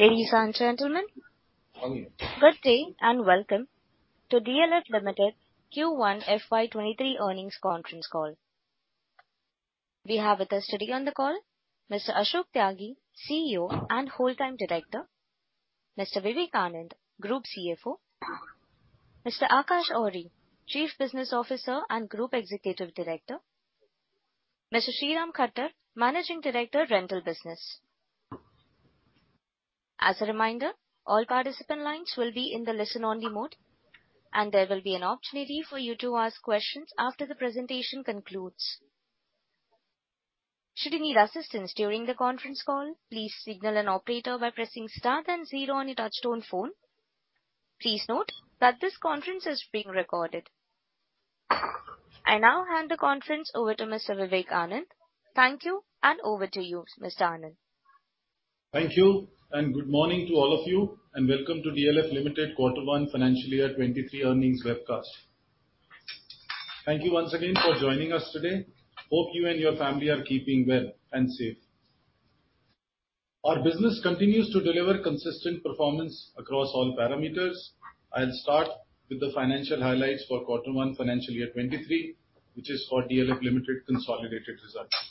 Ladies and gentlemen. Good morning. Good day, and welcome to DLF Limited Q1 FY 2023 earnings conference call. We have with us today on the call Mr. Ashok Tyagi, CEO and Whole-time Director, Mr. Vivek Anand, Group CFO, Mr. Aakash Ohri, Chief Business Officer and Group Executive Director, Mr. Sriram Khattar, Managing Director, Rental Business. As a reminder, all participant lines will be in the listen-only mode, and there will be an opportunity for you to ask questions after the presentation concludes. Should you need assistance during the conference call, please signal an operator by pressing star then zero on your touchtone phone. Please note that this conference is being recorded. I now hand the conference over to Mr. Vivek Anand. Thank you, and over to you, Mr. Anand. Thank you, and good morning to all of you. Welcome to DLF Limited Quarter 1 Financial Year 2023 earnings webcast. Thank you once again for joining us today. Hope you and your family are keeping well and safe. Our business continues to deliver consistent performance across all parameters. I'll start with the financial highlights for Quarter 1 Financial Year 2023, which is for DLF Limited consolidated results.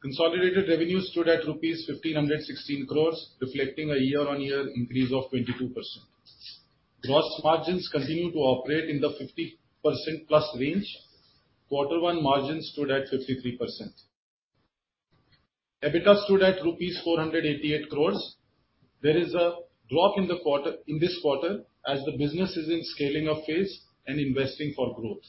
Consolidated revenue stood at rupees 1,516 crore, reflecting a year-on-year increase of 22%. Gross margins continue to operate in the 50%+ range. Quarter 1 margin stood at 53%. EBITDA stood at rupees 488 crore. There is a drop in the quarter, in this quarter as the business is in scaling up phase and investing for growth.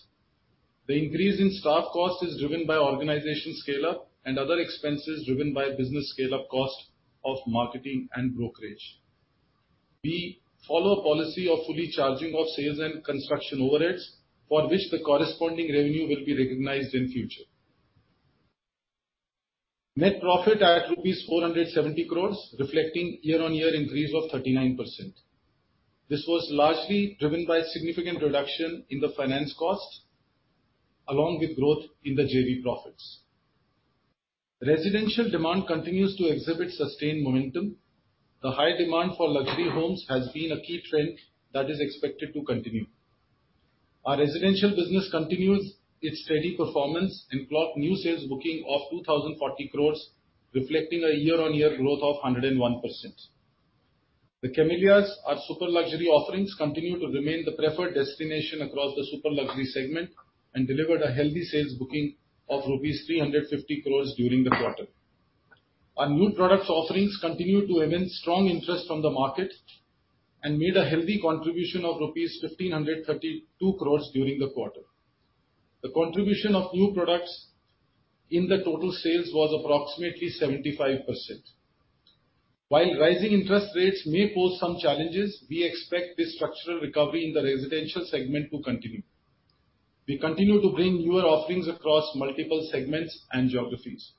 The increase in staff cost is driven by organization scale-up and other expenses driven by business scale-up cost of marketing and brokerage. We follow a policy of fully charging off sales and construction overheads, for which the corresponding revenue will be recognized in future. Net profit at rupees 470 crore, reflecting year-on-year increase of 39%. This was largely driven by significant reduction in the finance cost, along with growth in the JV profits. Residential demand continues to exhibit sustained momentum. The high demand for luxury homes has been a key trend that is expected to continue. Our residential business continues its steady performance and clocked new sales booking of 2,040 crore, reflecting a year-on-year growth of 101%. The Camellias, our super luxury offerings, continue to remain the preferred destination across the super luxury segment and delivered a healthy sales booking of rupees 350 crore during the quarter. Our new product offerings continue to command strong interest from the market and made a healthy contribution of rupees 1,532 crore during the quarter. The contribution of new products in the total sales was approximately 75%. While rising interest rates may pose some challenges, we expect this structural recovery in the residential segment to continue. We continue to bring newer offerings across multiple segments and geographies.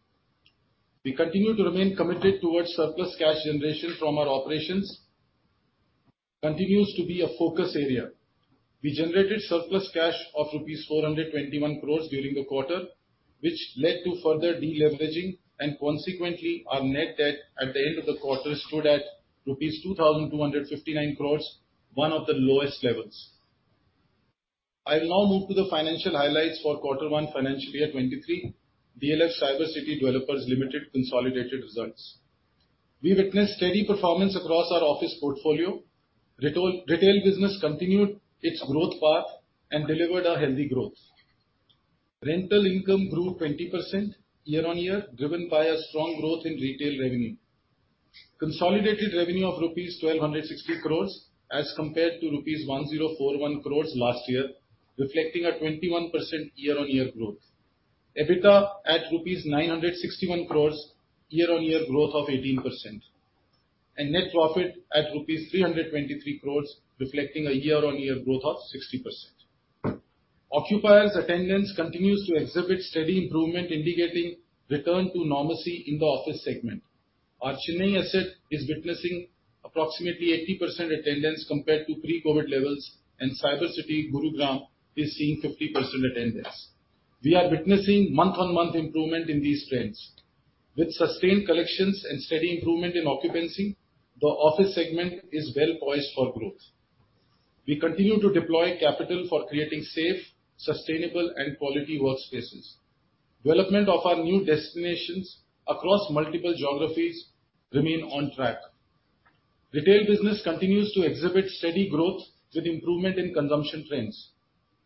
We continue to remain committed toward surplus cash generation from our operations. Continues to be a focus area. We generated surplus cash of rupees 421 crore during the quarter, which led to further deleveraging, and consequently our net debt at the end of the quarter stood at rupees 2,259 crore, one of the lowest levels. I'll now move to the financial highlights for Quarter 1 Financial Year 2023, DLF Cyber City Developers Limited consolidated results. We witnessed steady performance across our office portfolio. Retail business continued its growth path and delivered a healthy growth. Rental income grew 20% year-on-year, driven by a strong growth in retail revenue. Consolidated revenue of rupees 1,260 crore as compared to rupees 1,041 crore last year, reflecting a 21% year-on-year growth. EBITDA at rupees 961 crore, year-on-year growth of 18%. Net profit at rupees 323 crore, reflecting a year-on-year growth of 60%. Occupiers' attendance continues to exhibit steady improvement, indicating return to normalcy in the office segment. Our Chennai asset is witnessing approximately 80% attendance compared to pre-COVID levels, and Cyber City, Gurugram is seeing 50% attendance. We are witnessing month-on-month improvement in these trends. With sustained collections and steady improvement in occupancy, the office segment is well poised for growth. We continue to deploy capital for creating safe, sustainable and quality workspaces. Development of our new destinations across multiple geographies remain on track. Retail business continues to exhibit steady growth with improvement in consumption trends.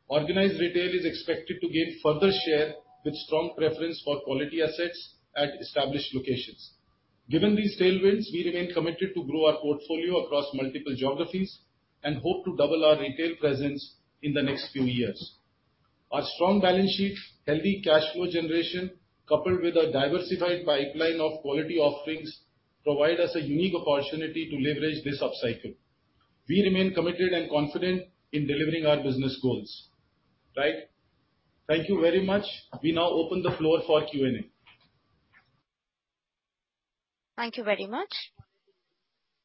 Organized retail is expected to gain further share with strong preference for quality assets at established locations. Given these tailwinds, we remain committed to grow our portfolio across multiple geographies and hope to double our retail presence in the next few years. Our strong balance sheet, healthy cash flow generation, coupled with a diversified pipeline of quality offerings, provide us a unique opportunity to leverage this upcycle. We remain committed and confident in delivering our business goals. Right. Thank you very much. We now open the floor for Q&A. Thank you very much.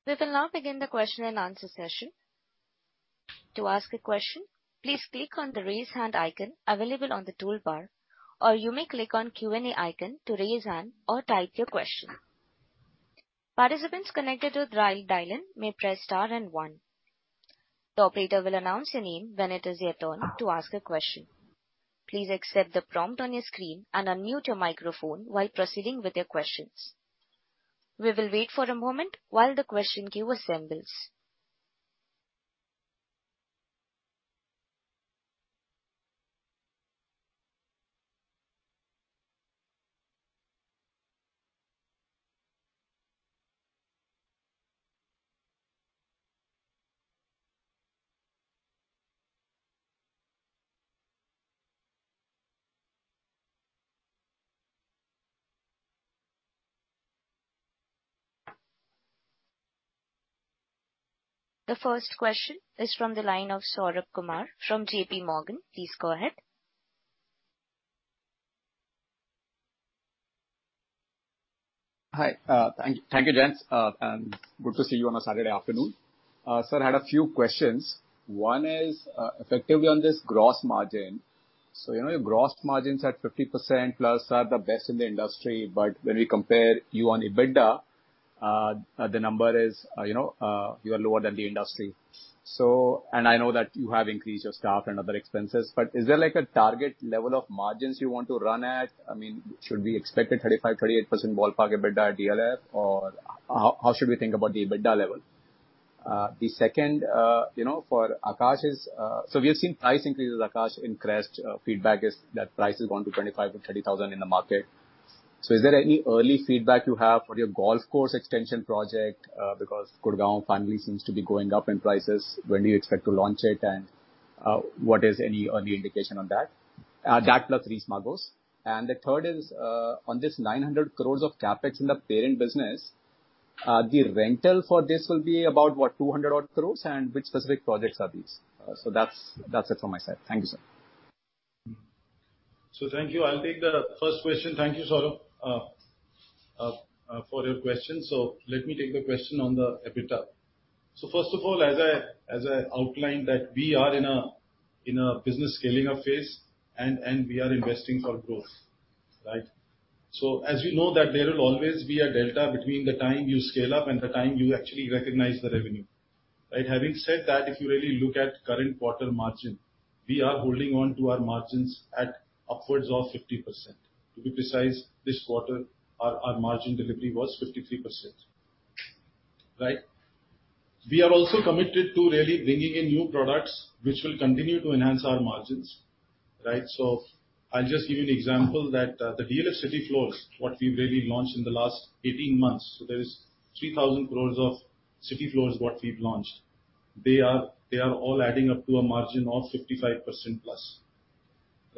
We will now begin the question and answer session. To ask a question, please click on the Raise Hand icon available on the toolbar, or you may click on Q&A icon to raise hand or type your question. Participants connected via dial-in may press star and one. The operator will announce your name when it is your turn to ask a question. Please accept the prompt on your screen and unmute your microphone while proceeding with your questions. We will wait for a moment while the question queue assembles. The first question is from the line of Saurabh Kumar from JPMorgan. Please go ahead. Hi. Thank you, gents. Good to see you on a Saturday afternoon. Sir, I had a few questions. One is effectively on this gross margin. You know your gross margins at 50%+ are the best in the industry, but when we compare you on EBITDA, the number is, you know, you are lower than the industry. I know that you have increased your staff and other expenses, but is there like a target level of margins you want to run at? I mean, should we expect a 35%-38% ballpark EBITDA at DLF, or how should we think about the EBITDA level? The second, you know, for Aakash is, we have seen price increases, Aakash, in The Crest. Feedback is that price has gone to 25,000-30,000 in the market. Is there any early feedback you have for your golf course extension project? Because Gurgaon finally seems to be going up in prices. When do you expect to launch it? What is any early indication on that? That plus Reis Magos. The third is on this 900 crore of CapEx in the parent business. The rental for this will be about what, 200 odd crore? Which specific projects are these? That's it from my side. Thank you, sir. Thank you. I'll take the first question. Thank you, Saurabh, for your question. Let me take the question on the EBITDA. First of all, as I outlined that we are in a business scaling up phase and we are investing for growth, right? As we know that there will always be a delta between the time you scale up and the time you actually recognize the revenue, right? Having said that, if you really look at current quarter margin, we are holding on to our margins at upwards of 50%. To be precise, this quarter our margin delivery was 53%. Right? We are also committed to really bringing in new products which will continue to enhance our margins, right? I'll just give you an example that the DLF City Floors what we've really launched in the last 18 months. There is 3,000 crore of City Floors what we've launched. They are all adding up to a margin of 55% plus,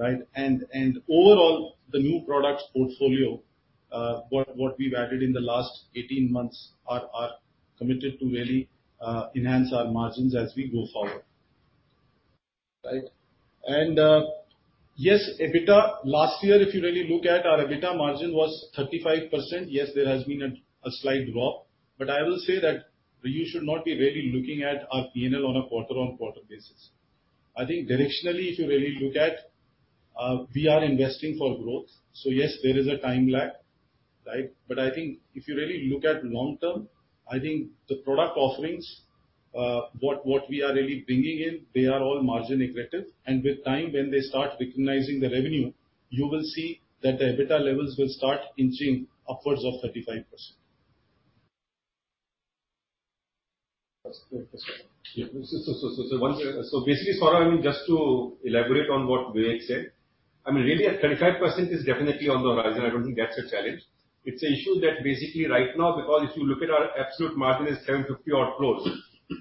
right? And overall, the new products portfolio what we've added in the last 18 months are committed to really enhance our margins as we go forward. Right? And yes, EBITDA last year, if you really look at our EBITDA margin was 35%. Yes, there has been a slight drop, but I will say that you should not be really looking at our P&L on a quarter-on-quarter basis. I think directionally, if you really look at we are investing for growth, so yes, there is a time lag, right? I think if you really look at long-term, I think the product offerings, what we are really bringing in, they are all margin accretive, and with time, when they start recognizing the revenue, you will see that the EBITDA levels will start inching upwards of 35%. Basically, Saurabh, I mean, just to elaborate on what Vivek said, I mean, really at 35% is definitely on the horizon. I don't think that's a challenge. It's an issue that basically right now because if you look at our absolute margin is 1,050 odd crore,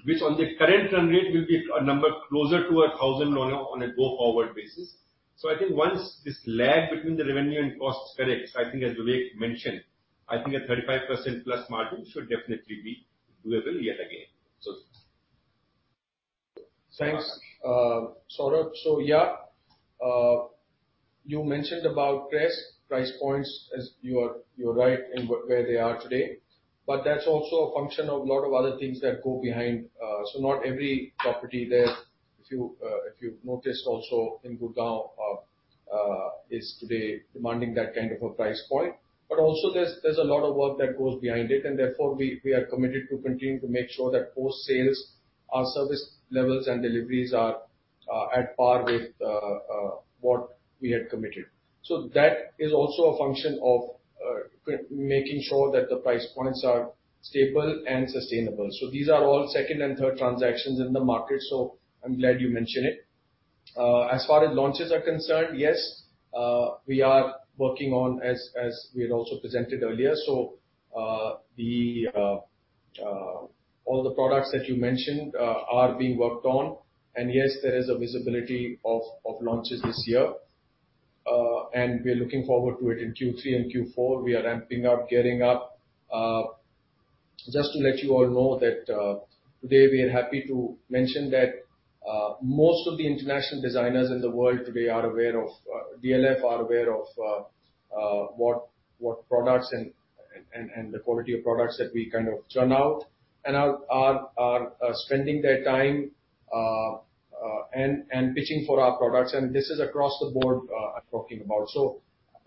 which on the current run rate will be a number closer to 1,000 on a go-forward basis. I think once this lag between the revenue and costs corrects, I think as Vivek mentioned, I think a 35%+ margin should definitely be doable yet again. Thanks, Saurabh. You mentioned about Crest price points as you are right in where they are today. That's also a function of a lot of other things that go behind. Not every property there, if you've noticed also in Gurgaon, is today demanding that kind of a price point. Also there's a lot of work that goes behind it and therefore we are committed to continue to make sure that post-sales, our service levels and deliveries are at par with what we had committed. That is also a function of making sure that the price points are stable and sustainable. These are all second and third transactions in the market, so I'm glad you mentioned it. As far as launches are concerned, yes, we are working on as we had also presented earlier. All the products that you mentioned are being worked on, and yes, there is a visibility of launches this year. We are looking forward to it in Q3 and Q4. We are ramping up, gearing up. Just to let you all know that, today we are happy to mention that most of the international designers in the world today are aware of DLF, what products and The quality of products that we kind of turn out and are spending their time and pitching for our products. This is across the board, I'm talking about.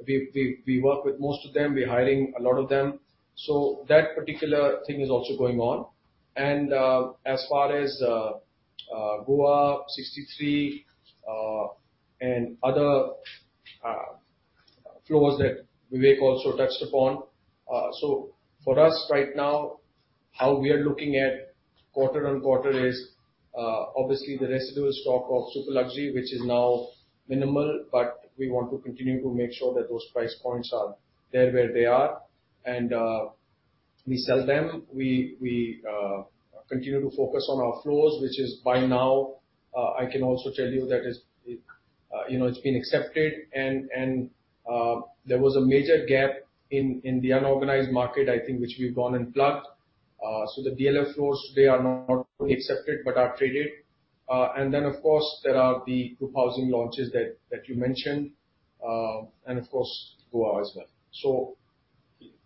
We work with most of them. We're hiring a lot of them. That particular thing is also going on. As far as The Sixty Three and other floors that Vivek also touched upon. For us right now, how we are looking at quarter-on-quarter is obviously the residual stock of super luxury, which is now minimal, but we want to continue to make sure that those price points are there where they are and we sell them. We continue to focus on our floors, which is by now, I can also tell you that it's, you know, it's been accepted and there was a major gap in the unorganized market, I think, which we've gone and plugged. The DLF floors, they are not only accepted but are traded. And then of course, there are the group housing launches that you mentioned, and of course, Goa as well.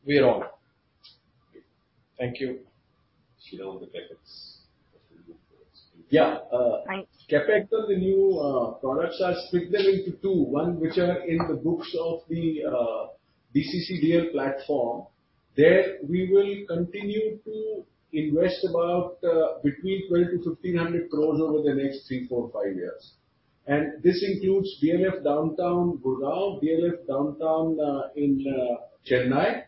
We are on. Thank you. Sir, on the CapEx. Yeah. Thanks. CapEx on the new products, I'll split them into two. One which are in the books of the DCCDL platform. There we will continue to invest about between 1,200 crore-1,500 crore over the next three to five years. This includes DLF Downtown Gurgaon, DLF Downtown in Chennai,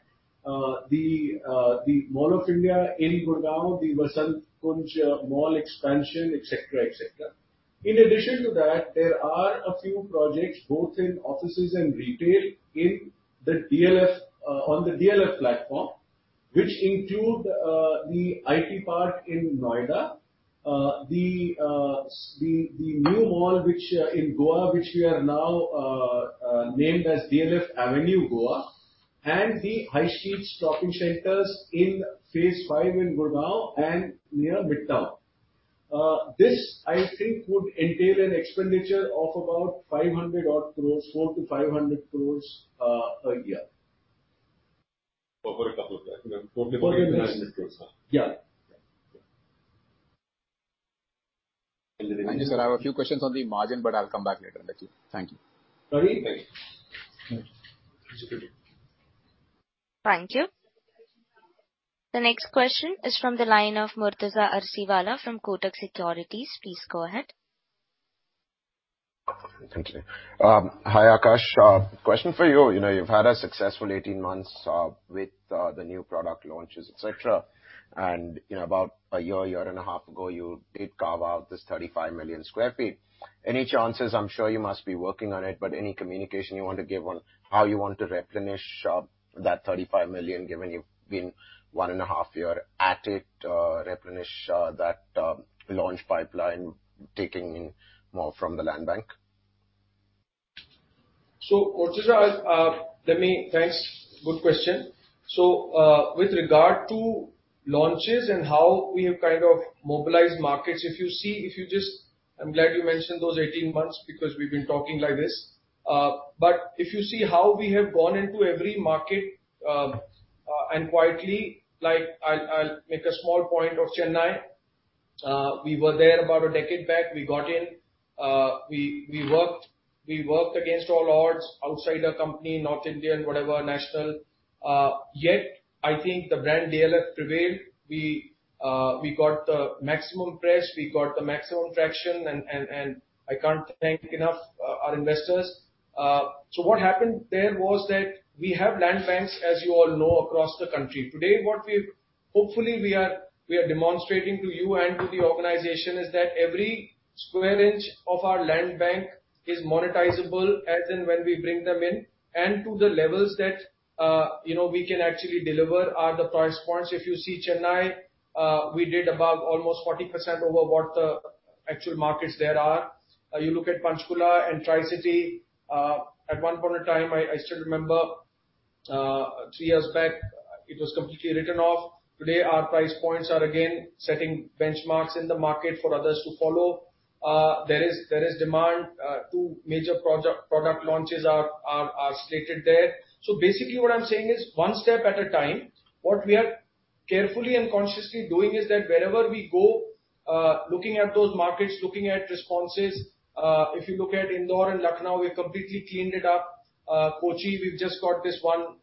the Mall of India in Gurgaon, the Vasant Kunj Mall expansion, et cetera. In addition to that, there are a few projects both in offices and retail in the DLF on the DLF platform, which include the IT park in Noida, the new mall which in Goa, which we have now named as DLF Avenue Goa, and the high street shopping centers in Phase 5 in Gurgaon and near Midtown. This, I think, would entail an expenditure of about 500 odd crore, 400 crore-500 crore, a year. For a couple of years. Totally INR 400 crore-INR 500 crore. Yeah. Thank you. Thank you, sir. I have a few questions on the margin, but I'll come back later. Thank you. Sorry. Thank you. Thank you. The next question is from the line of Murtuza Arsiwalla from Kotak Securities. Please go ahead. Thank you. Hi, Aakash. Question for you. You know, you've had a successful 18 months with the new product launches, et cetera. You know, about 1.5 years ago, you did carve out this 35 million sq ft. Any chances, I'm sure you must be working on it, but any communication you want to give on how you want to replenish that 35 million, given you've been 1.5 years at it, replenish that launch pipeline taking in more from the land bank? Murtuza, thanks. Good question. With regard to launches and how we have kind of mobilized markets, if you see, I'm glad you mentioned those 18 months because we've been talking like this. If you see how we have gone into every market, and quietly, like I'll make a small point of Chennai. We were there about a decade back. We got in, we worked against all odds, outsider company, North Indian, whatever, national. Yet, I think the brand DLF prevailed. We got the maximum press, we got the maximum traction and I can't thank enough our investors. What happened there was that we have land banks, as you all know, across the country. Today, hopefully we are demonstrating to you and to the organization is that every square inch of our land bank is monetizable as and when we bring them in. To the levels that, you know, we can actually deliver are the price points. If you see Chennai, we did above almost 40% over what the actual markets there are. You look at Panchkula and Tri-City, at one point of time, I still remember, three years back, it was completely written off. Today, our price points are again setting benchmarks in the market for others to follow. There is demand. Two major project, product launches are stated there. Basically what I'm saying is one step at a time. What we are carefully and consciously doing is that wherever we go, looking at those markets, looking at responses, if you look at Indore and Lucknow, we've completely cleaned it up. Kochi, we've just got this one,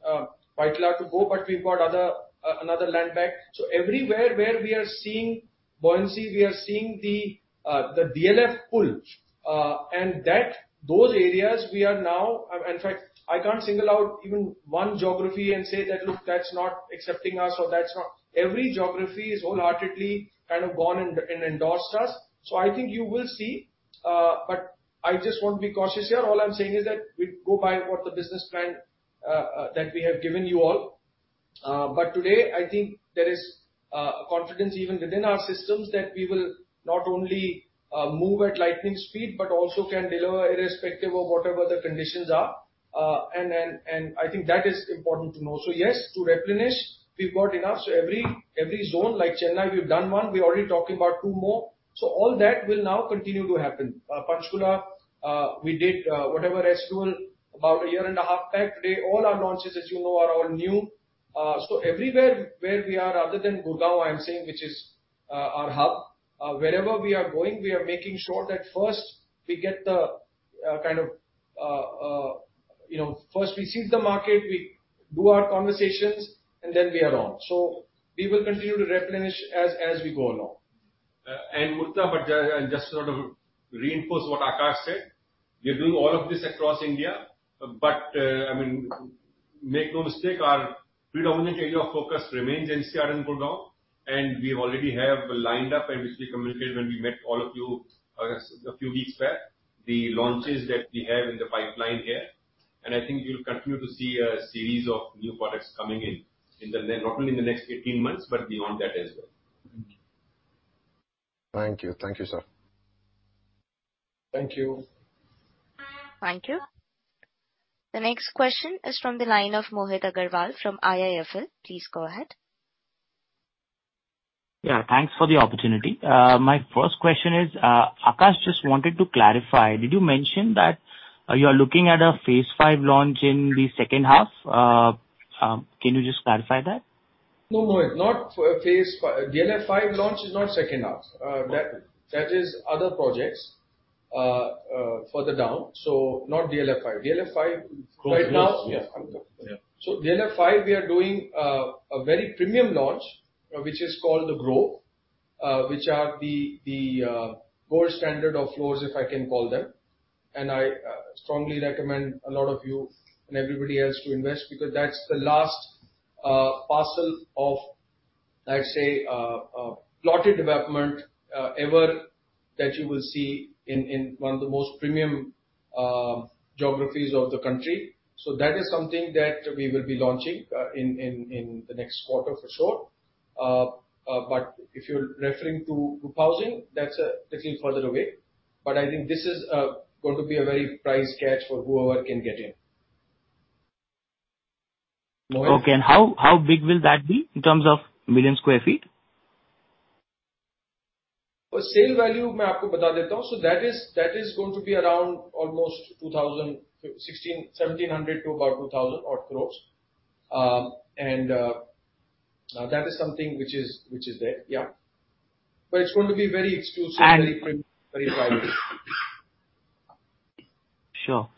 Vyttila to go, but we've got other, another land bank. Everywhere where we are seeing buoyancy, we are seeing the DLF pull. And that, those areas we are now. In fact, I can't single out even one geography and say that, "Look, that's not accepting us or that's not." Every geography is wholeheartedly kind of gone and endorsed us. I think you will see. I just want to be cautious here. All I'm saying is that we go by what the business plan that we have given you all. Today, I think there is a confidence even within our systems that we will not only move at lightning speed, but also can deliver irrespective of whatever the conditions are. I think that is important to know. Yes, to replenish, we've got enough. Every zone like Chennai, we've done one. We're already talking about two more. All that will now continue to happen. Panchkula, we did whatever residual about a year and a half back. Today, all our launches, as you know, are all new. Everywhere where we are other than Gurgaon, I'm saying, which is our hub, wherever we are going, we are making sure that first we seize the market, we do our conversations, and then we are on. We will continue to replenish as we go along. Murtuza, just sort of reinforce what Aakash said. We're doing all of this across India. I mean, make no mistake, our predominant area of focus remains NCR and Gurgaon, and we already have lined up, which we communicated when we met all of you a few weeks back, the launches that we have in the pipeline here. I think you'll continue to see a series of new products coming in, not only in the next 18 months, but beyond that as well. Thank you. Thank you. Thank you, sir. Thank you. Thank you. The next question is from the line of Mohit Agrawal from IIFL. Please go ahead. Yeah, thanks for the opportunity. My first question is, Aakash just wanted to clarify, did you mention that you are looking at a phase five launch in the second half? Can you just clarify that? No, Mohit, not DLF 5 launch is not second half. That is other projects, further down, so not DLF 5. DLF 5 right now Close. Yeah. DLF 5, we are doing a very premium launch, which is called The Grove, which are the gold standard of floors, if I can call them. I strongly recommend a lot of you and everybody else to invest, because that's the last parcel of, let's say, plotted development ever that you will see in one of the most premium geographies of the country. That is something that we will be launching in the next quarter for sure. If you're referring to group housing, that's a little further away. I think this is going to be a very prized catch for whoever can get in. Okay. How big will that be in terms of million square feet? For sale value, that is going to be 1,600 crore-1,700 crore to about 2,000 odd crore. That is something which is there, yeah. It's going to be very exclusive. And- Very private. Sure.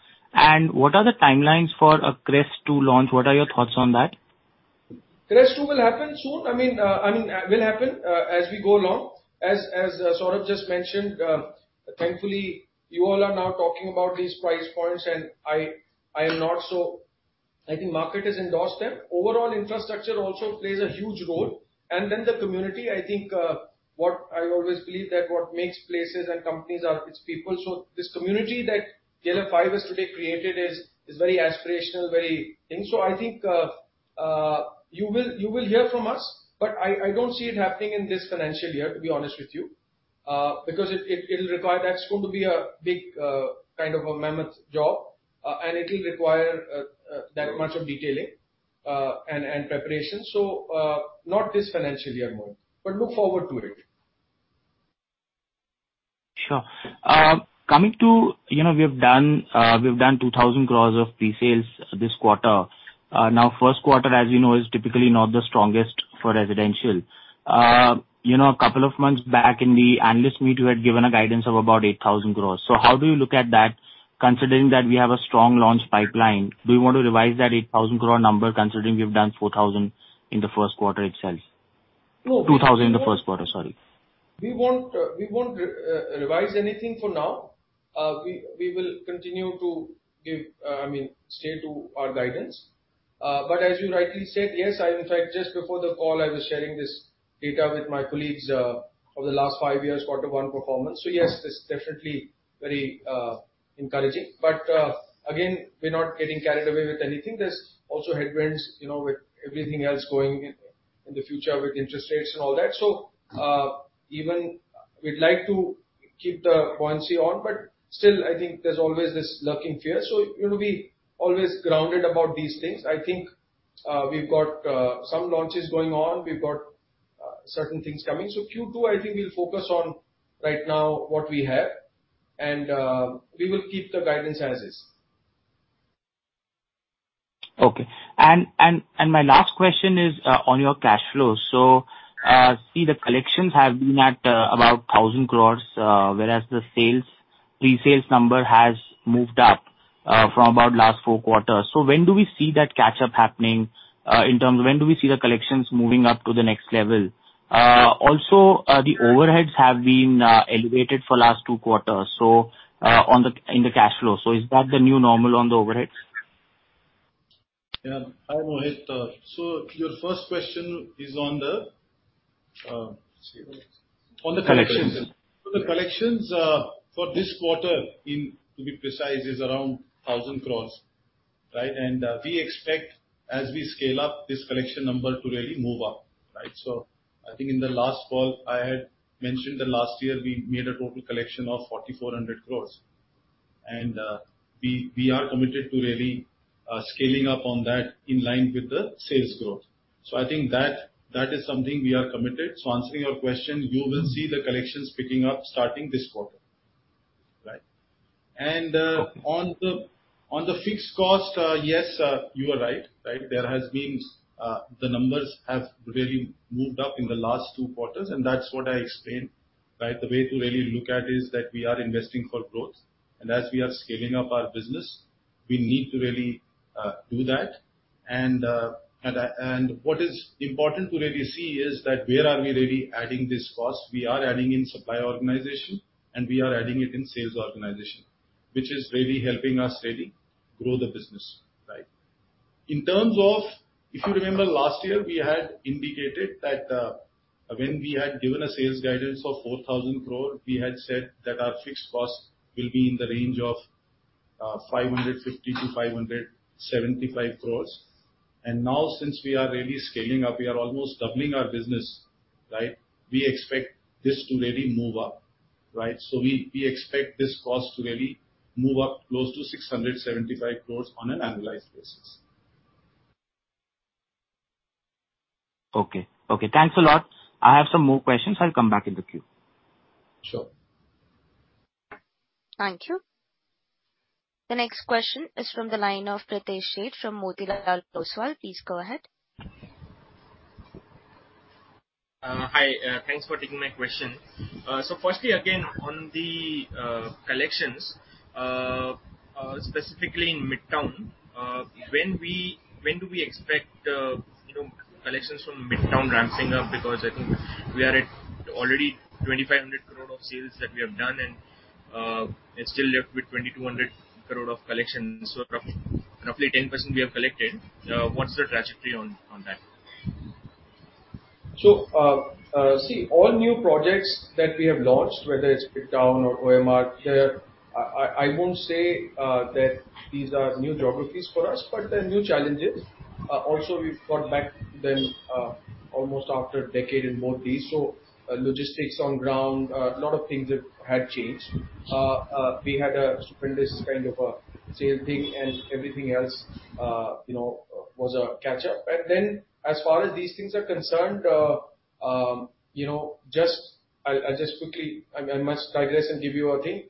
What are the timelines for The Crest 2 launch? What are your thoughts on that? Crest 2 will happen soon. It will happen as we go along. Saurabh just mentioned, thankfully, you all are now talking about these price points, and I am not so... I think market has endorsed them. Overall infrastructure also plays a huge role. Then the community, I think, what I always believe that what makes places and companies are its people. This community that DLF 5 has today created is very aspirational, very. I think you will hear from us, but I don't see it happening in this financial year, to be honest with you. Because it'll require. That's going to be a big kind of a mammoth job, and it'll require that much of detailing, and preparation. Not this financial year, Mohit, but look forward to it. Sure. Coming to, you know, we have done 2,000 crore of pre-sales this quarter. Now first quarter, as you know, is typically not the strongest for residential. You know, a couple of months back in the analyst meet, you had given a guidance of about 8,000 crore. How do you look at that, considering that we have a strong launch pipeline? Do you want to revise that 8,000 crore number, considering we've done 4,000 crore in the first quarter itself? No. 2,000 in the first quarter, sorry. We won't revise anything for now. We will continue to, I mean, stick to our guidance, but as you rightly said, yes, in fact, just before the call, I was sharing this data with my colleagues for the last five years, quarter one performance. Yes, it's definitely very encouraging. Again, we're not getting carried away with anything. There's also headwinds, you know, with everything else going on in the future with interest rates and all that. Even we would like to keep the buoyancy on, but still, I think there's always this bull and bear. You know we always stay grounded about these things. I think we've got some launches going on. We've got certain things coming. Q2, I think we'll focus on right now what we have and we will keep the guidance as is. My last question is on your cash flows. See the collections have been at about 1,000 crore, whereas the sales pre-sales number has moved up from about last four quarters. When do we see that catch up happening in terms of when do we see the collections moving up to the next level? Also, the overheads have been elevated for last two quarters in the cash flow. Is that the new normal on the overheads? Yeah. Hi, Mohit. Your first question is on the, let's see- On the collections. The collections for this quarter, to be precise, is around 1,000 crore, right? We expect as we scale up this collection number to really move up, right? I think in the last call, I had mentioned that last year we made a total collection of 4,400 crore. We are committed to really scaling up on that in line with the sales growth. I think that is something we are committed. Answering your question, you will see the collections picking up starting this quarter. Right? On the fixed cost, yes, you are right? There has been, the numbers have really moved up in the last two quarters, and that's what I explained, right? The way to really look at is that we are investing for growth. As we are scaling up our business, we need to really do that. What is important to really see is that where are we really adding this cost? We are adding in supply organization and we are adding it in sales organization, which is really helping us really grow the business, right? In terms of, if you remember last year, we had indicated that, when we had given a sales guidance of 4,000 crore, we had said that our fixed cost will be in the range of 550 crore-575 crore. Now since we are really scaling up, we are almost doubling our business, right? We expect this to really move up, right? We expect this cost to really move up close to 675 crore on an annualized basis. Okay. Okay, thanks a lot. I have some more questions. I'll come back in the queue. Sure. Thank you. The next question is from the line of Pritesh Sheth from Motilal Oswal. Please go ahead. Hi. Thanks for taking my question. Firstly again, on the collections, specifically in Midtown, when do we expect, you know, collections from Midtown ramping up? Because I think we are at already 2,500 crore of sales that we have done and still left with 2,200 crore of collections. Roughly 10% we have collected. What's the trajectory on that? All new projects that we have launched, whether it's One Midtown or OMR, they're, I won't say that these are new geographies for us, but they're new challenges. Also we've got back to them almost after a decade in both these. Logistics on ground, a lot of things that had changed. We had a tremendous kind of a sales pitch and everything else, you know, was a catch-up. Then as far as these things are concerned, you know, just, I'll just quickly, I must digress and give you a thing.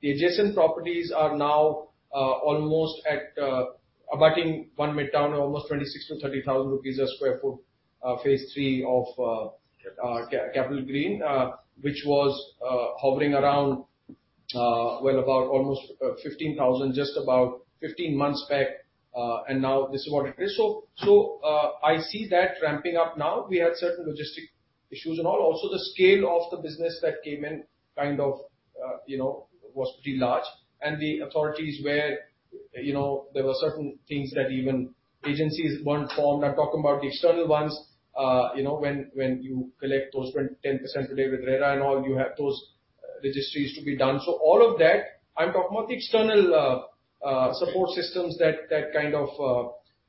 The adjacent properties are now almost at abutting One Midtown almost 26,000-30,000 rupees a sq ft, Phase 3 of Capital Greens, which was hovering around well about almost 15,000 just about 15 months back. Now this is what it is. I see that ramping up now. We had certain logistic issues and all. Also, the scale of the business that came in kind of you know was pretty large. The authorities were you know there were certain things that even agencies weren't formed. I'm talking about the external ones. You know, when you collect those 10% today with RERA and all, you have those registries to be done. All of that, I'm talking about the external support systems that kind of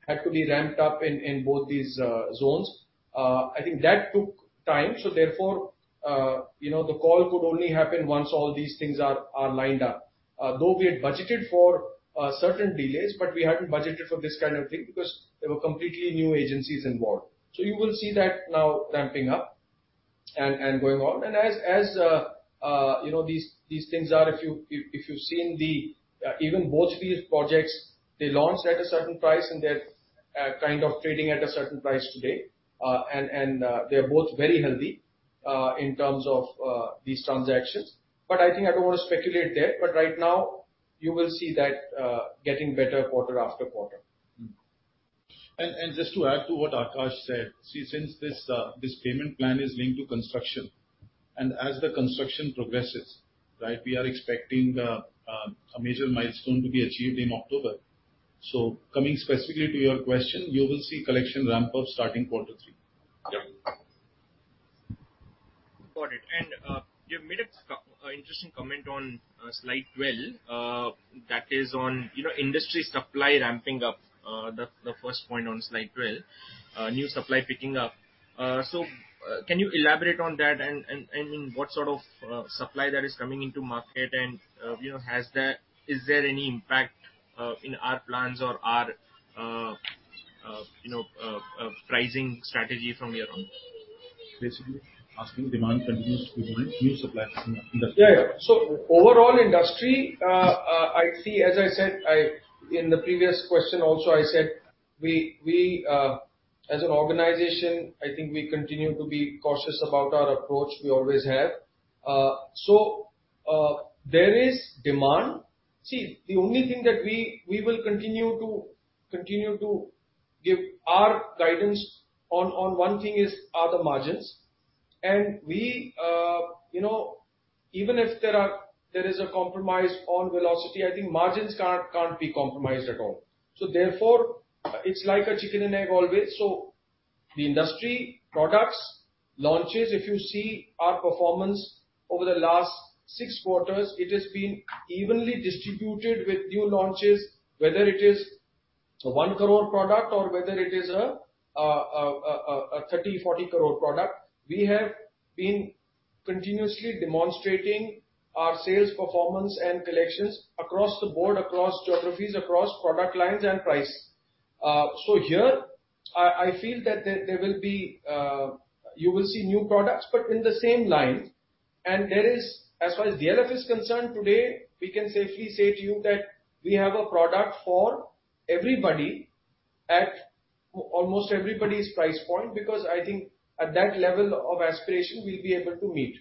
had to be ramped up in both these zones. I think that took time. Therefore, you know, the call could only happen once all these things are lined up. Though we had budgeted for certain delays, but we hadn't budgeted for this kind of thing because there were completely new agencies involved. You will see that now ramping up and going on. As you know, these things are, if you've seen even both these projects, they launched at a certain price, and they're kind of trading at a certain price today. They're both very healthy in terms of these transactions. I think I don't want to speculate there. Right now, you will see that, getting better quarter after quarter. Just to add to what Aakash said. See, since this payment plan is linked to construction, and as the construction progresses, right? We are expecting a major milestone to be achieved in October. Coming specifically to your question, you will see collection ramp up starting quarter three. Yep. Got it. You've made an interesting comment on slide 12, that is on, you know, industry supply ramping up. The first point on slide 12. New supply picking up. Can you elaborate on that and what sort of supply that is coming into market and, you know, is there any impact in our plans or our, you know, pricing strategy from here on? Basically asking demand continues to grow and new supply coming in the industry. Yeah, yeah. Overall industry, I see, as I said, in the previous question also I said, we as an organization, I think we continue to be cautious about our approach we always have. There is demand. See, the only thing that we will continue to give our guidance on is the margins. We, you know, even if there is a compromise on velocity, I think margins can't be compromised at all. Therefore, it's like a chicken and egg always. The industry product launches, if you see our performance over the last six quarters, it has been evenly distributed with new launches, whether it is a 1 crore product or whether it is a 30 crore-40 crore product. We have been continuously demonstrating our sales performance and collections across the board, across geographies, across product lines and price. So here I feel that there will be you will see new products, but in the same line. There is. As far as DLF is concerned today, we can safely say to you that we have a product for everybody at almost everybody's price point, because I think at that level of aspiration we'll be able to meet.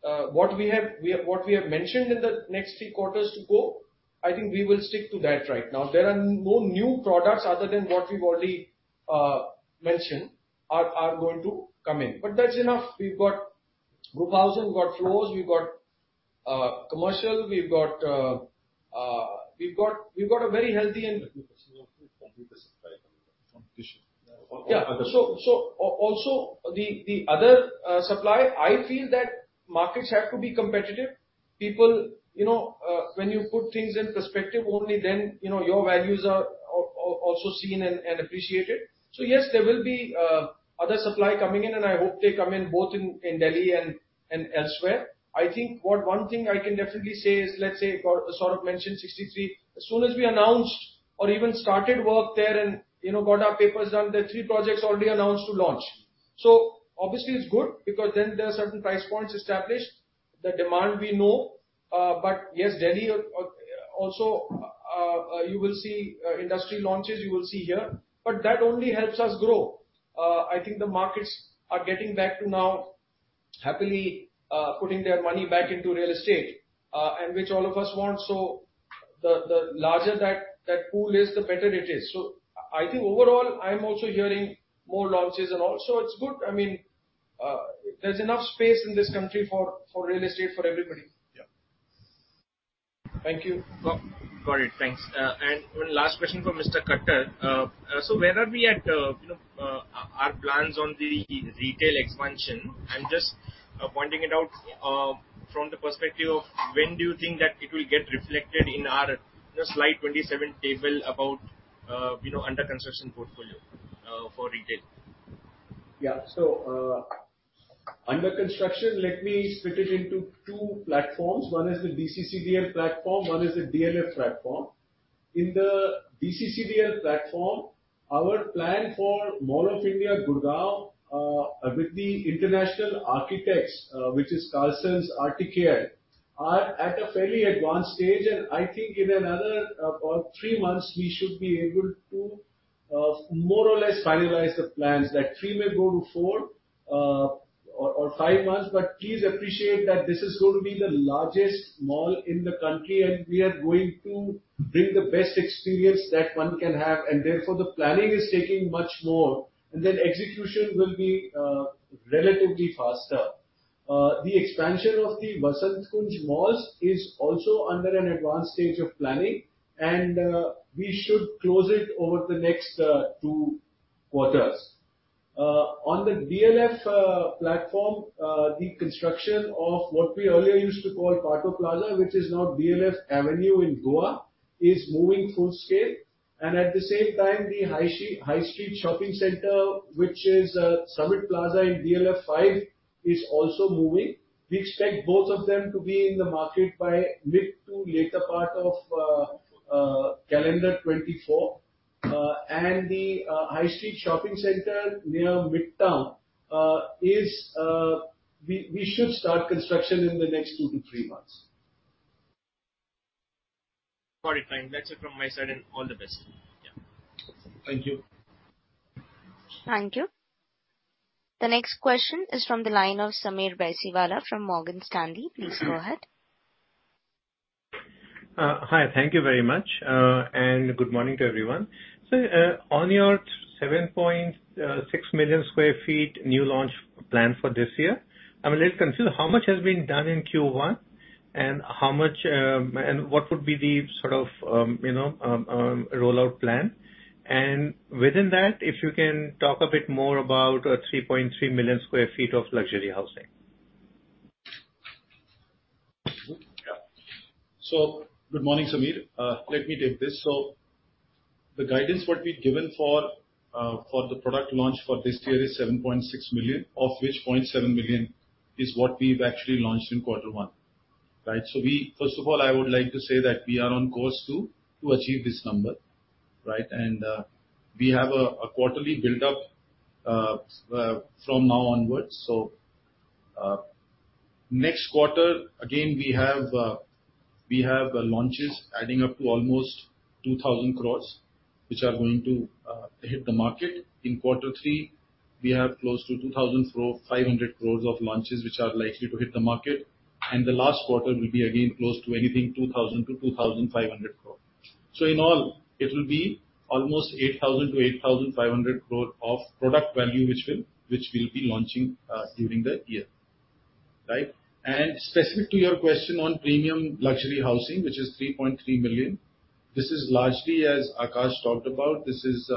What we have mentioned in the next three quarters to go, I think we will stick to that right now. There are no new products other than what we've already mentioned are going to come in. That's enough. We've got group housing, we've got floors, we've got commercial, we've got a very healthy. Yeah. Also the other supply, I feel that markets have to be competitive. People, you know, when you put things in perspective, only then, you know, your values are also seen and appreciated. Yes, there will be other supply coming in, and I hope they come in both in Delhi and elsewhere. I think one thing I can definitely say is, let's say, for Saurabh mentioned 63. As soon as we announced or even started work there and, you know, got our papers done, there are 3 projects already announced to launch. Obviously it's good because then there are certain price points established. The demand we know. Delhi also, you will see industry launches here, but that only helps us grow. I think the markets are getting back to now happily putting their money back into real estate, and which all of us want. The larger that pool is, the better it is. I think overall I'm also hearing more launches and all, so it's good. I mean, there's enough space in this country for real estate, for everybody. Yeah. Thank you. Got it. Thanks. One last question from Mr. Khattar. So where are we at, you know, our plans on the retail expansion? I'm just pointing it out from the perspective of when do you think that it will get reflected in our, you know, slide 27 table about, you know, under construction portfolio for retail? Yeah. Under construction, let me split it into two platforms. One is the DCCDL platform, one is the DLF platform. In the DCCDL platform, our plan for Mall of India, Gurugram, with the international architects, which is CallisonRTKL, are at a fairly advanced stage, and I think in another about three months, we should be able to more or less finalize the plans. That three may go to four or five months. Please appreciate that this is going to be the largest mall in the country, and we are going to bring the best experience that one can have, and therefore the planning is taking much more, and then execution will be relatively faster. The expansion of the Vasant Kunj malls is also under an advanced stage of planning, and we should close it over the next two quarters. On the DLF platform, the construction of what we earlier used to call Patto Plaza, which is now DLF Avenue in Goa, is moving full scale. At the same time, the high street shopping center, which is Summit Plaza in DLF Five, is also moving. We expect both of them to be in the market by mid- to later part of calendar 2024. The high street shopping center near Midtown is we should start construction in the next two to three months. Got it. That's it from my side, and all the best. Yeah. Thank you. Thank you. The next question is from the line of Sameer Baisiwala from Morgan Stanley. Please go ahead. Hi. Thank you very much, and good morning to everyone. On your 7.6 million sq ft new launch plan for this year, I mean, let's consider how much has been done in Q1 and how much, and what would be the sort of, you know, rollout plan. Within that, if you can talk a bit more about 3.3 million sq ft of luxury housing. Yeah. Good morning, Sameer. Let me take this. The guidance what we've given for the product launch for this year is 7.6 million sq ft, of which 0.7 million sq ft is what we've actually launched in quarter one. Right. First of all, I would like to say that we are on course to achieve this number, right? We have a quarterly build-up from now onwards. Next quarter, again, we have launches adding up to almost 2,000 crore, which are going to hit the market. In quarter three, we have close to 2,500 crore of launches, which are likely to hit the market. The last quarter will be again close to anything 2,000-2,500 crore. In all, it will be almost 8,000 crore-8,500 crore of product value, which we'll be launching during the year. Right. Specific to your question on premium luxury housing, which is 3.3 million sq ft, this is largely, as Aakash talked about, this is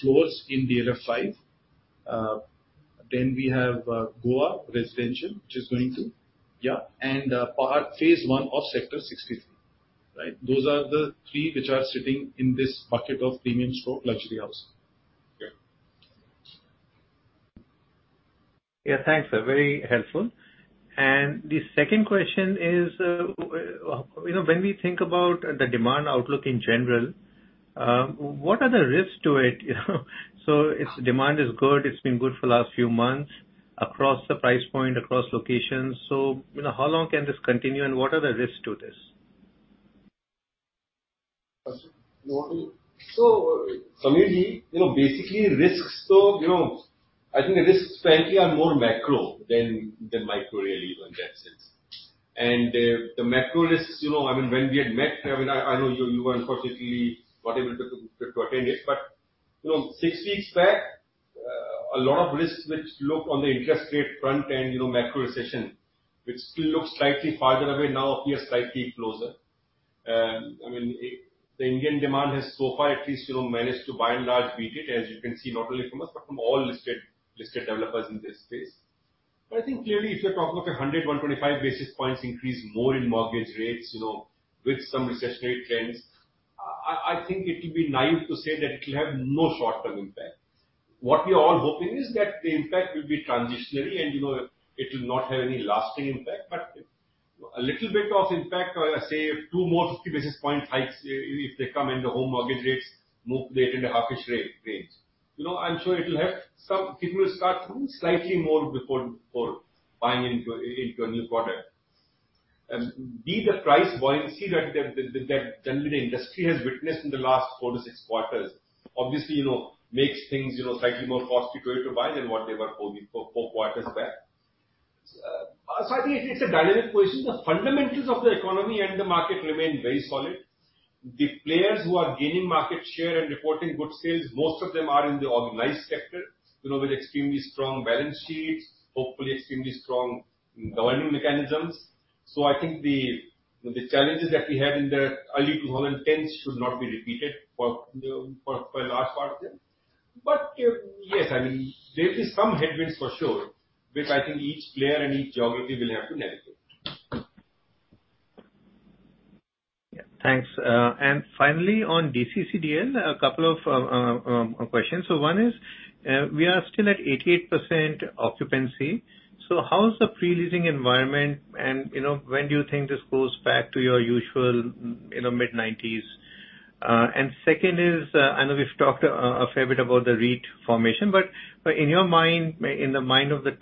floors in DLF 5. Then we have Goa Residential, which is going to, yeah, perhaps phase 1 of Sector 63. Right. Those are the three which are sitting in this bucket of premium storied luxury houses. Yeah. Yeah. Thanks, sir. Very helpful. The second question is, you know, when we think about the demand outlook in general, what are the risks to it, you know? Its demand is good. It's been good for the last few months across the price point, across locations. You know, how long can this continue, and what are the risks to this? Sameerji, you know, basically risks though, you know, I think the risks frankly are more macro than micro really in that sense. The macro risks, you know, I mean, when we had met, I mean, I know you were unfortunately not able to attend it. You know, six weeks back, a lot of risks which loom on the interest rate front and, you know, macro recession, which still looks slightly farther away now appears slightly closer. I mean, the Indian demand has so far at least, you know, managed to by and large beat it, as you can see, not only from us, but from all listed developers in this space. I think clearly if you're talking of 100-125 basis points increase more in mortgage rates, you know, with some recessionary trends, I think it will be naive to say that it'll have no short-term impact. What we are all hoping is that the impact will be transitory and, you know, it will not have any lasting impact, but a little bit of impact or say two more 50 basis point hikes if they come in the home mortgage rates move late into 7.5%-ish range. You know, I'm sure it'll have some impact. People will start slightly more before buying into a new product. Be the price buoyancy that generally industry has witnessed in the last four to six quarters, obviously, you know, makes things, you know, slightly more costly to buy than what they were four quarters back. I think it's a dynamic question. The fundamentals of the economy and the market remain very solid. The players who are gaining market share and reporting good sales, most of them are in the organized sector, you know, with extremely strong balance sheets, hopefully extremely strong governing mechanisms. I think the challenges that we had in the early 2010s should not be repeated for, you know, for a large part of them. Yes, I mean, there is some headwinds for sure, which I think each player and each geography will have to navigate. Yeah. Thanks. Finally, on DCCDL, a couple of questions. One is, we are still at 88% occupancy. How's the pre-leasing environment? And, you know, when do you think this goes back to your usual, you know, mid-90s? Second is, I know we've talked a fair bit about the REIT formation, but in your mind, in the mind of the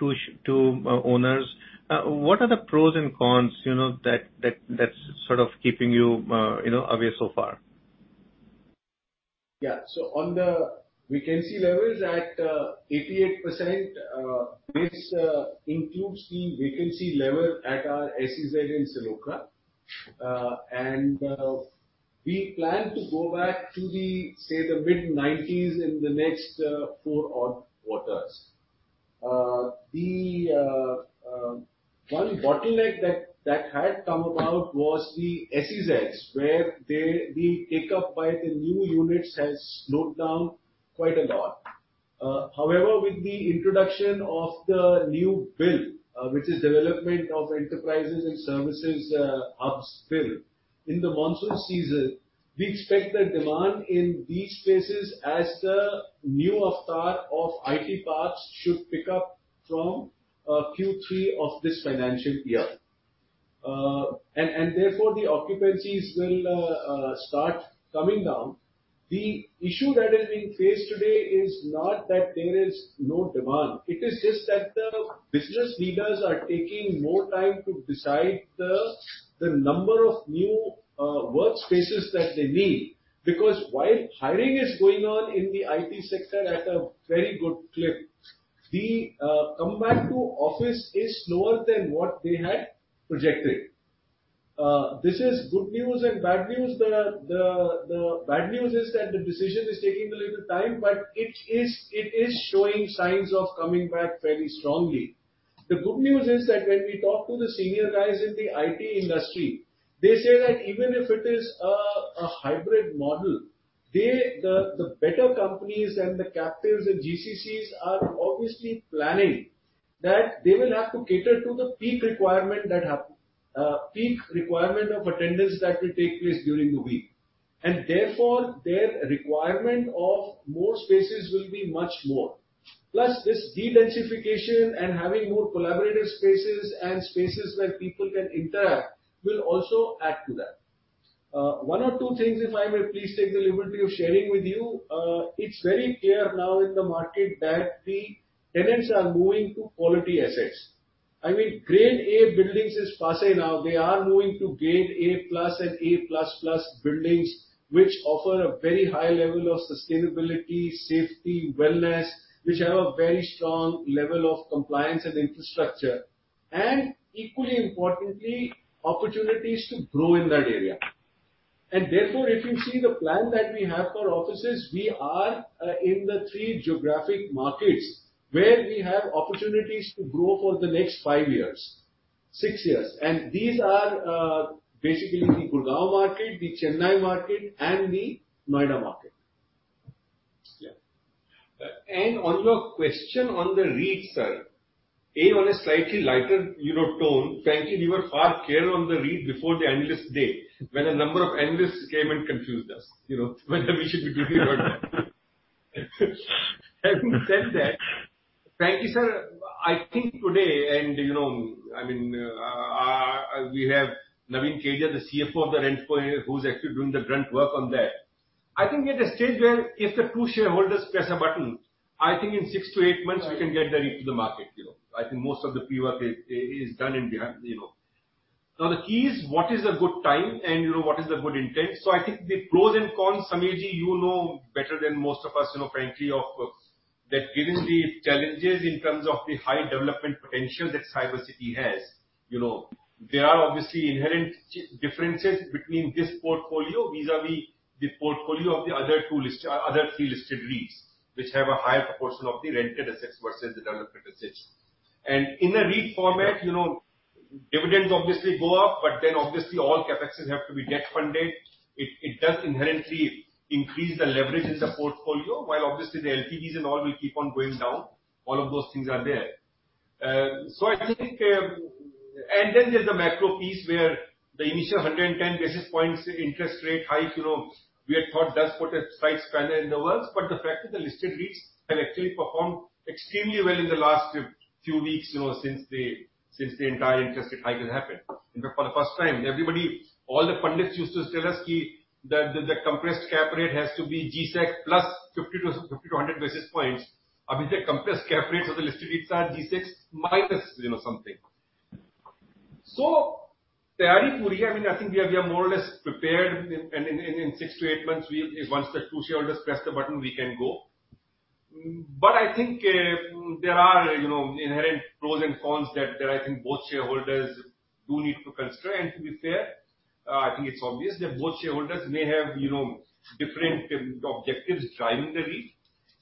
two owners, what are the pros and cons, you know, that that's sort of keeping you know, away so far? On the vacancy levels at 88%, this includes the vacancy level at our SEZ in Silokhera. We plan to go back to, say, the mid-90s in the next four odd quarters. The one bottleneck that had come about was the SEZs, where the take-up by the new units has slowed down quite a lot. However, with the introduction of the new bill, which is Development of Enterprise and Service Hubs Bill, in the monsoon season, we expect that demand in these spaces as the new avatar of IT parks should pick up from Q3 of this financial year. Therefore, the occupancies will start coming down. The issue that is being faced today is not that there is no demand. It is just that the business leaders are taking more time to decide the number of new work spaces that they need. Because while hiring is going on in the IT sector at a very good clip, the comeback to office is slower than what they had projected. This is good news and bad news. The bad news is that the decision is taking a little time, but it is showing signs of coming back very strongly. The good news is that when we talk to the senior guys in the IT industry, they say that even if it is a hybrid model, the better companies and the captives and GCCs are obviously planning that they will have to cater to the peak requirement of attendance that will take place during the week. Therefore, their requirement of more spaces will be much more. Plus, this dedensification and having more collaborative spaces and spaces where people can interact will also add to that. One or two things, if I may please take the liberty of sharing with you. It's very clear now in the market that the tenants are moving to quality assets. I mean, grade A buildings is passé now. They are moving to grade A plus and A plus plus buildings, which offer a very high level of sustainability, safety, wellness, which have a very strong level of compliance and infrastructure, and equally importantly, opportunities to grow in that area. Therefore, if you see the plan that we have for offices, we are in the three geographic markets where we have opportunities to grow for the next five years, six years. These are basically the Gurgaon market, the Chennai market and the Noida market. On your question on the REIT, sir, on a slightly lighter, you know, tone, frankly, we were far clearer on the REIT before the analyst day, when a number of analysts came and confused us, you know, whether we should be doing or not. Having said that, frankly, sir, I think today and, you know, I mean, we have Navin Kedia, the CFO of the REIT who's actually doing the grunt work on that. I think we're at a stage where if the two shareholders press a button, I think in 6-8 months. Right. We can get the REIT to the market, you know. I think most of the pre-work is done and behind, you know. Now the key is what is a good time and, you know, what is a good intent. I think the pros and cons, Sameerji, you know better than most of us, you know, frankly, of that given the challenges in terms of the high development potential that Cyber City has, you know, there are obviously inherent differences between this portfolio vis-à-vis the portfolio of the other two other three listed REITs, which have a higher proportion of the rented assets versus the developed assets. In a REIT format, you know, dividends obviously go up, but then obviously all CapExes have to be debt funded. It does inherently increase the leverage in the portfolio, while obviously the LTVs and all will keep on going down. All of those things are there. Then there's the macro piece where the initial 110 basis points interest rate hike, you know, we had thought does put a slight spanner in the works. The fact that the listed REITs have actually performed extremely well in the last few weeks, you know, since the entire interest rate hike has happened. You know, for the first time, everybody, all the pundits used to tell us that the compressed cap rate has to be G-Secs plus 50-100 basis points. The compressed cap rates of the listed REITs are G-Secs minus, you know, something. Taiyari puri hai. I mean, I think we are more or less prepared. In six to eight months, once the two shareholders press the button, we can go. I think there are inherent pros and cons that I think both shareholders do need to consider. To be fair, I think it's obvious that both shareholders may have different objectives driving the REIT.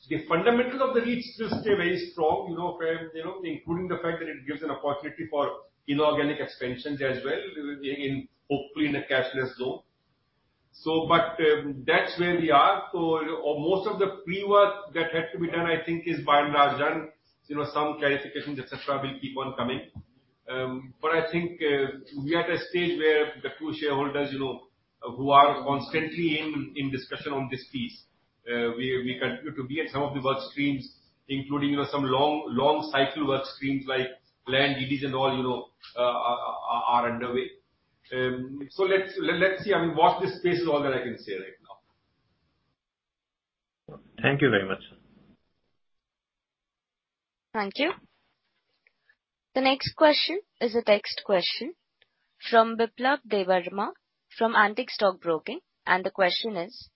The fundamental of the REIT still stay very strong, you know, including the fact that it gives an opportunity for inorganic expansions as well, hopefully in a cashless zone. That's where we are. Most of the pre-work that had to be done, I think is by and large done. You know, some clarifications, et cetera, will keep on coming. I think we are at a stage where the two shareholders, you know, who are constantly in discussion on this piece, we continue to be at some of the work streams, including, you know, some long cycle work streams like land deals and all, you know, are underway. So let's see. I mean, watch this space is all that I can say right now. Thank you very much. Thank you. The next question is a text question from Biplab Debbarma from Antique Stock Broking. The question is: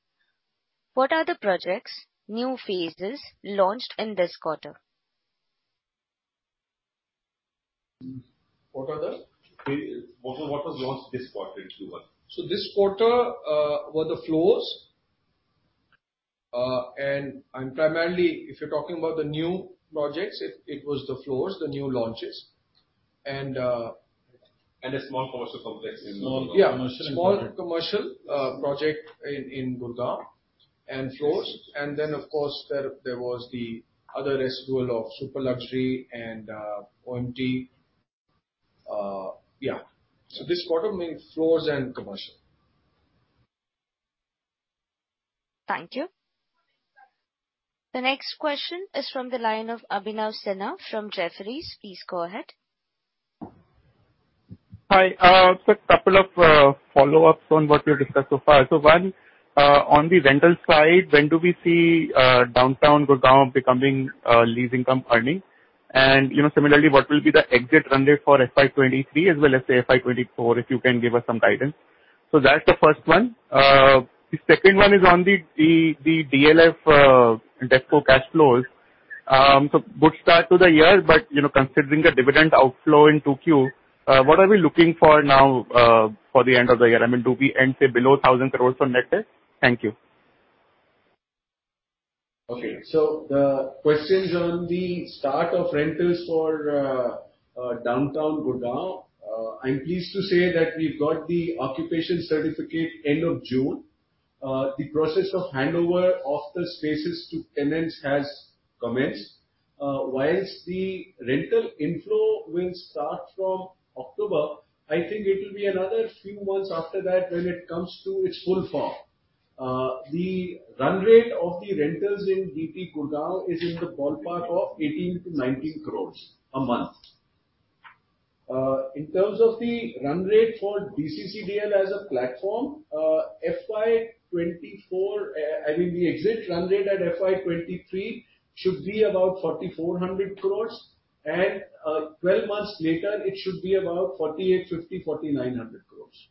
What are the projects, new phases launched in this quarter? What are the? What was launched this quarter in Q1. This quarter were the floors. Primarily if you're talking about the new projects, it was the floors, the new launches. A small commercial complex in Gurgaon. Yeah. Small commercial in Gurgaon. Small commercial project in Gurgaon and floors. Of course, there was the other residual of super luxury and OMR. Yeah. This quarter means floors and commercial. Thank you. The next question is from the line of Abhinav Sinha from Jefferies. Please go ahead. Hi. Sir, couple of follow-ups on what we've discussed so far. One, on the rental side, when do we see Downtown Gurgaon becoming lease income earning? And, you know, similarly, what will be the exit run rate for FY 2023 as well as say FY 2024, if you can give us some guidance. That's the first one. The second one is on the DLF DevCo cash flows. Good start to the year, but, you know, considering the dividend outflow in 2Q, what are we looking for now for the end of the year? I mean, do we end, say, below 1,000 crore for net debt? Thank you. Okay. The questions on the start of rentals for DT Gurgaon, I'm pleased to say that we've got the occupation certificate end of June. The process of handover of the spaces to tenants has commenced. While the rental inflow will start from October, I think it will be another few months after that when it comes to its full form. The run rate of the rentals in DT Gurgaon is in the ballpark of 18 crore-19 crore a month. In terms of the run rate for DCCDL as a platform, FY 2024, I mean, the exit run rate at FY 2023 should be about 4,400 crore, and 12 months later, it should be about 4,800 crore, INR 5,000 crore, 4,900 crore. Khattar,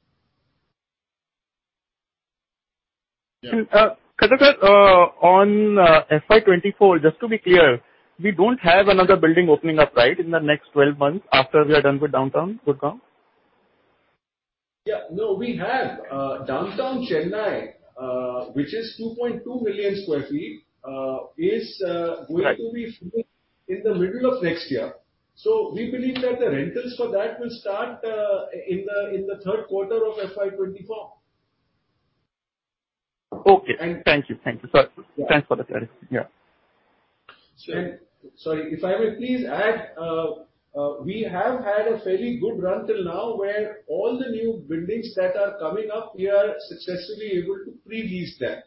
on FY 2024, just to be clear, we don't have another building opening up, right, in the next 12 months after we are done with Downtown Gurgaon? Yeah. No, we have. DLF Downtown, which is 2.2 million sq ft, is Right. Going to be finished in the middle of next year. We believe that the rentals for that will start in the third quarter of FY 2024. Okay. Thank you. Thank you. Thanks for the clarity. Yeah. Sorry, if I may please add, we have had a fairly good run till now where all the new buildings that are coming up, we are successfully able to pre-lease them.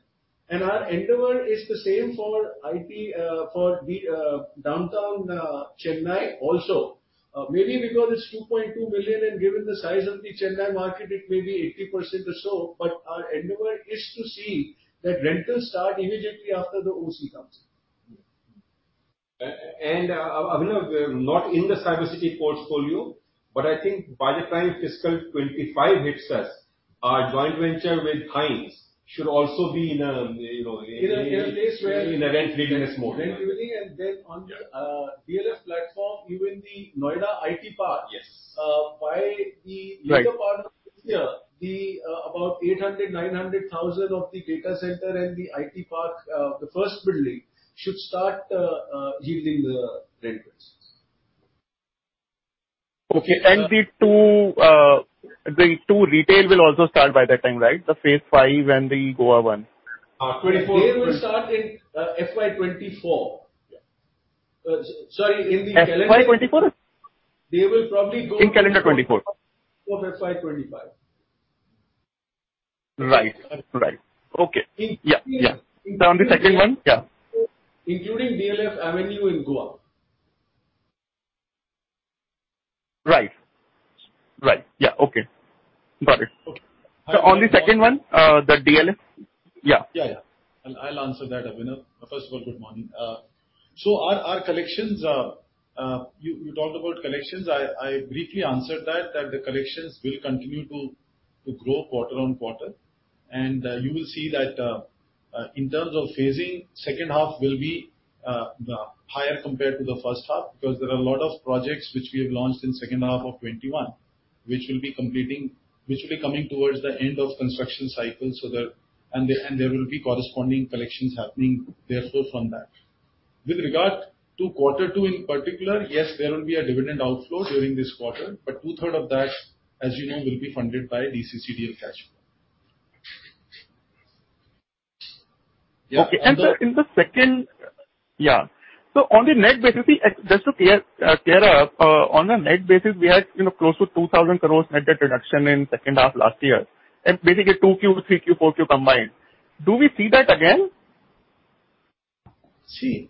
Our endeavor is the same for IT, for the Downtown, Chennai also. Maybe because it's 2.2 million sq ft, and given the size of the Chennai market, it may be 80% or so, but our endeavor is to see that rentals start immediately after the OC comes in. Abhinav, not in the Cyber City portfolio, but I think by the time fiscal 2025 hits us, our joint venture with Hines should also be in a, you know, in a- In a place where. In a rent yielding mode. Rent yielding. On the DLF platform, even the Noida IT park. Yes. Uh, by the- Right. Later part of this year, about 800,000 sq ft-900,000 sq ft of the data center and the IT park, the first building should start yielding the rent for us. Okay. The two retail will also start by that time, right? The phase five and the Goa one. 2024. They will start in FY 2024. Yeah. Uh, s-sorry, in the calendar- FY 2024? They will probably go. In calendar 2024. Of FY 2024. Right. Right. Okay. In- Yeah, yeah. Now on the second one. Yeah. Including DLF Avenue in Goa. Right. Yeah. Okay. Got it. Okay. On the second one, the DLF. Yeah. Yeah. I'll answer that, Abhinav. First of all, good morning. So our collections, you talked about collections. I briefly answered that the collections will continue to grow quarter on quarter. You will see that in terms of phasing, second half will be higher compared to the first half because there are a lot of projects which we have launched in second half of 2021, which will be completing, which will be coming towards the end of construction cycle, so there will be corresponding collections happening therefore from that. With regard to quarter two in particular, yes, there will be a dividend outflow during this quarter, but two-thirds of that, as you know, will be funded by DCCDL cash flow. Sir, on a net basis, just to clear up, we had, you know, close to 2,000 crore net debt reduction in second half last year, and basically 2Q, 3Q, 4Q combined. Do we see that again? See,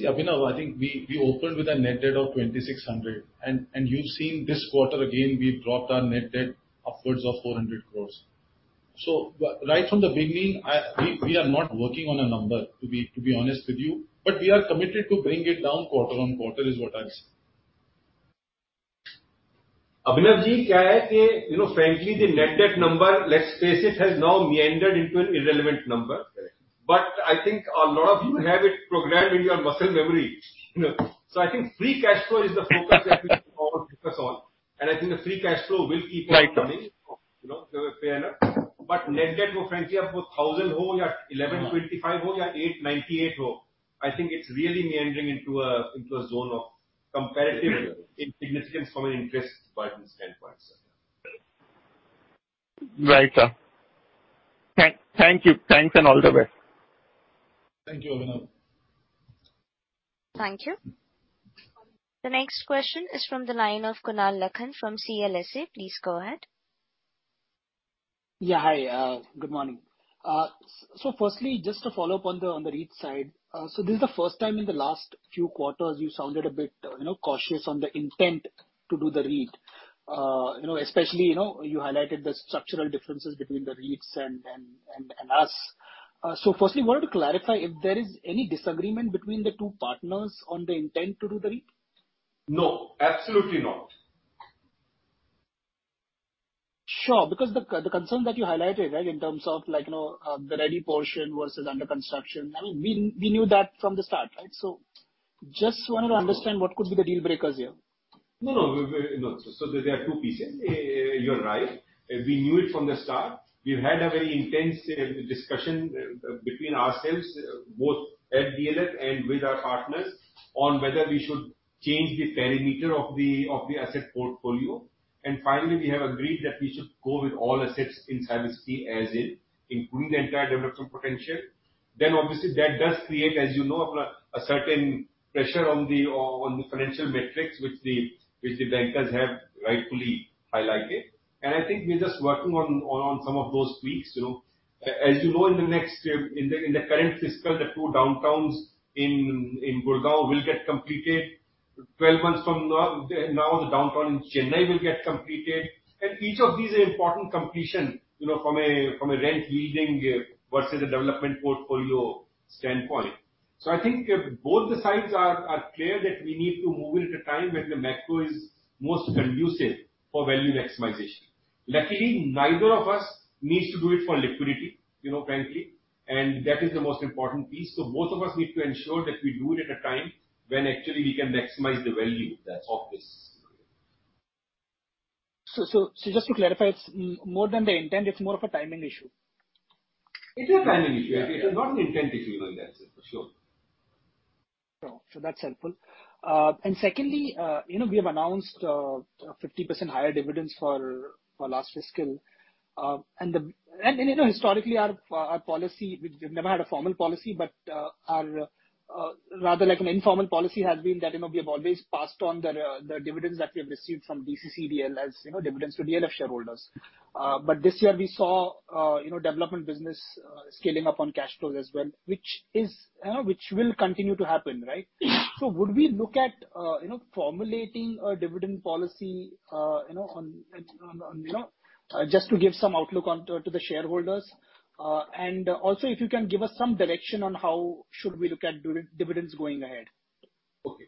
Abhinav, I think we opened with a net debt of 2,600 crore, and you've seen this quarter again we've dropped our net debt upwards of 400 crore. Right from the beginning, we are not working on a number, to be honest with you, but we are committed to bring it down quarter on quarter is what I'm saying. Abhinav ji, you know, frankly, the net debt number, let's face it, has now meandered into an irrelevant number. Correct. I think a lot of you have it programmed in your muscle memory. You know? I think free cash flow is the focus that we should all focus on. I think the free cash flow will keep on coming. Right. You know? Fair enough. Net debt, more frankly, INR 1,125,898 I think it's really meandering into a zone of comparative insignificance from an interest burden standpoint. Right, sir. Thank you. Thanks and all the best. Thank you, Abhinav. Thank you. The next question is from the line of Kunal Lakhan from CLSA. Please go ahead. Yeah, hi. Good morning. First, just to follow up on the REIT side. This is the first time in the last few quarters you've sounded a bit, you know, cautious on the intent to do the REIT. You know, especially, you highlighted the structural differences between the REITs and us. First, wanted to clarify if there is any disagreement between the two partners on the intent to do the REIT? No, absolutely not. Sure. Because the concern that you highlighted, right, in terms of like, you know, the ready portion versus under construction, I mean, we knew that from the start, right? Just wanted to understand what could be the deal breakers here. No, no. No. There are two pieces. You're right. We knew it from the start. We've had a very intense discussion between ourselves, both at DLF and with our partners, on whether we should change the perimeter of the asset portfolio. Finally, we have agreed that we should go with all assets in Cyber City as is, including the entire development potential. Obviously that does create, as you know, a certain pressure on the financial metrics which the bankers have rightfully highlighted. I think we're just working on some of those tweaks, you know. As you know, in the current fiscal, the two Downtowns in Gurgaon will get completed. 12 months from now, the Downtown in Chennai will get completed. Each of these are important completion, you know, from a rent yielding versus a development portfolio standpoint. I think both the sides are clear that we need to move it at a time when the macro is most conducive for value maximization. Luckily, neither of us needs to do it for liquidity, you know, frankly, and that is the most important piece. Both of us need to ensure that we do it at a time when actually we can maximize the value of this. Just to clarify, it's more than the intent, it's more of a timing issue. It's a timing issue. Yeah. It is not an intent issue like that, for sure. That's helpful. Secondly, you know, we have announced a 50% higher dividends for last fiscal. You know, historically our policy, we've never had a formal policy but, our rather like an informal policy has been that, you know, we have always passed on the dividends that we have received from DCCDL as, you know, dividends to DLF shareholders. This year we saw, you know, development business scaling up on cash flows as well, which will continue to happen, right? Would we look at, you know, formulating a dividend policy, you know, on, just to give some outlook on to the shareholders? If you can give us some direction on how we should look at dividends going ahead? Okay.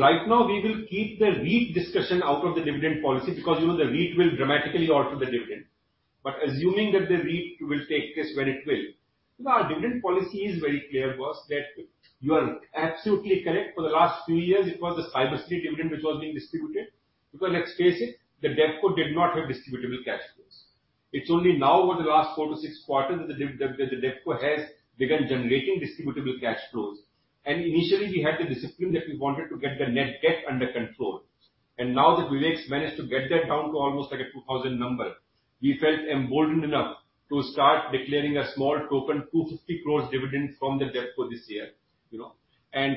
Right now we will keep the REIT discussion out of the dividend policy because, you know, the REIT will dramatically alter the dividend. Assuming that the REIT will take place when it will, our dividend policy is very clear, boss, that you are absolutely correct. For the last few years it was the Cyber City dividend which was being distributed. Because let's face it, the DevCo did not have distributable cash flows. It's only now over the last four to six quarters that the DevCo has begun generating distributable cash flows. Initially we had the discipline that we wanted to get the net debt under control. Now that Vivek's managed to get that down to almost like a 2,000 number, we felt emboldened enough to start declaring a small token, 250 crore dividend from the DevCo this year, you know?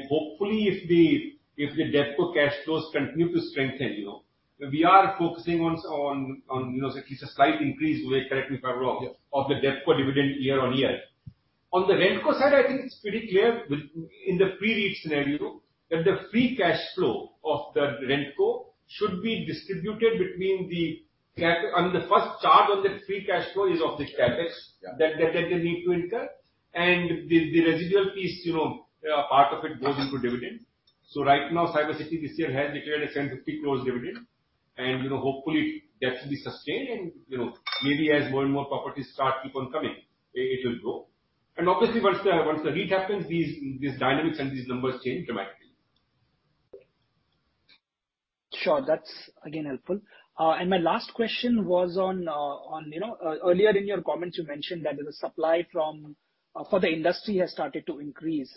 Hopefully if the DevCo cash flows continue to strengthen, you know. We are focusing on, you know, at least a slight increase, Vivek. Correct me if I'm wrong. Yes. of the DevCo dividend year-on-year. On the RentCo side, I think it's pretty clear within the pre-REIT scenario that the free cash flow of the RentCo should be, I mean, the first charge on that free cash flow is of the CapEx. Yeah. That they need to incur. The residual is, you know, part of it goes into dividend. Right now, Cyber City this year has declared a 1,050 crore dividend. You know, hopefully that will be sustained and, you know, maybe as more and more properties start keep on coming, it will grow. Obviously once the REIT happens, these dynamics and these numbers change dramatically. Sure. That's again helpful. My last question was on, you know, earlier in your comments you mentioned that the supply from, for the industry has started to increase.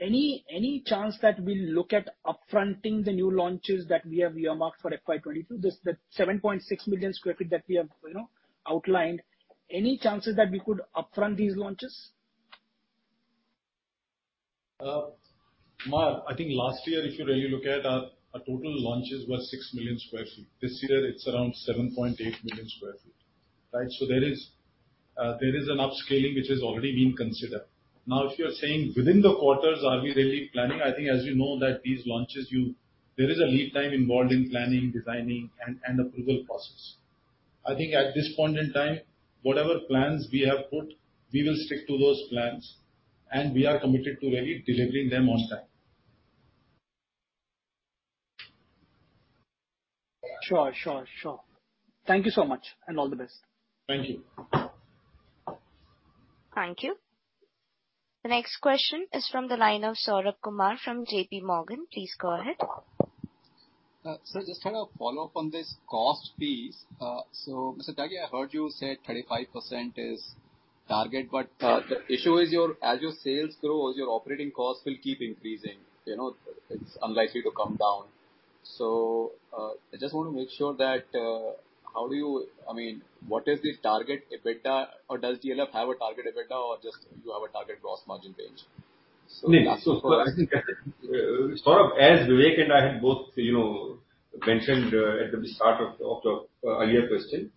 Any chance that we'll look at up-fronting the new launches that we have earmarked for FY 2022? The 7.6 million sq ft that we have, you know, outlined. Any chances that we could upfront these launches? Kunal, I think last year if you really look at our total launches were 6 million sq ft. This year it's around 7.8 million sq ft, right? There is an upscaling which has already been considered. Now if you're saying within the quarters are we really planning, I think as you know that these launches, there is a lead time involved in planning, designing, and approval process. I think at this point in time, whatever plans we have put, we will stick to those plans and we are committed to really delivering them on time. Sure. Thank you so much and all the best. Thank you. Thank you. The next question is from the line of Saurabh Kumar from JPMorgan. Please go ahead. Sir, just kind of follow up on this cost piece. So Mr. Tyagi, I heard you say 35% is target, but the issue is, as your sales grow, your operating costs will keep increasing. You know, it's unlikely to come down. I just want to make sure that, I mean, what is the target EBITDA or does DLF have a target EBITDA or just you have a target gross margin range? That's the first- I mean, so I think, Saurabh, as Vivek and I have both, you know, mentioned, at the start of the earlier question,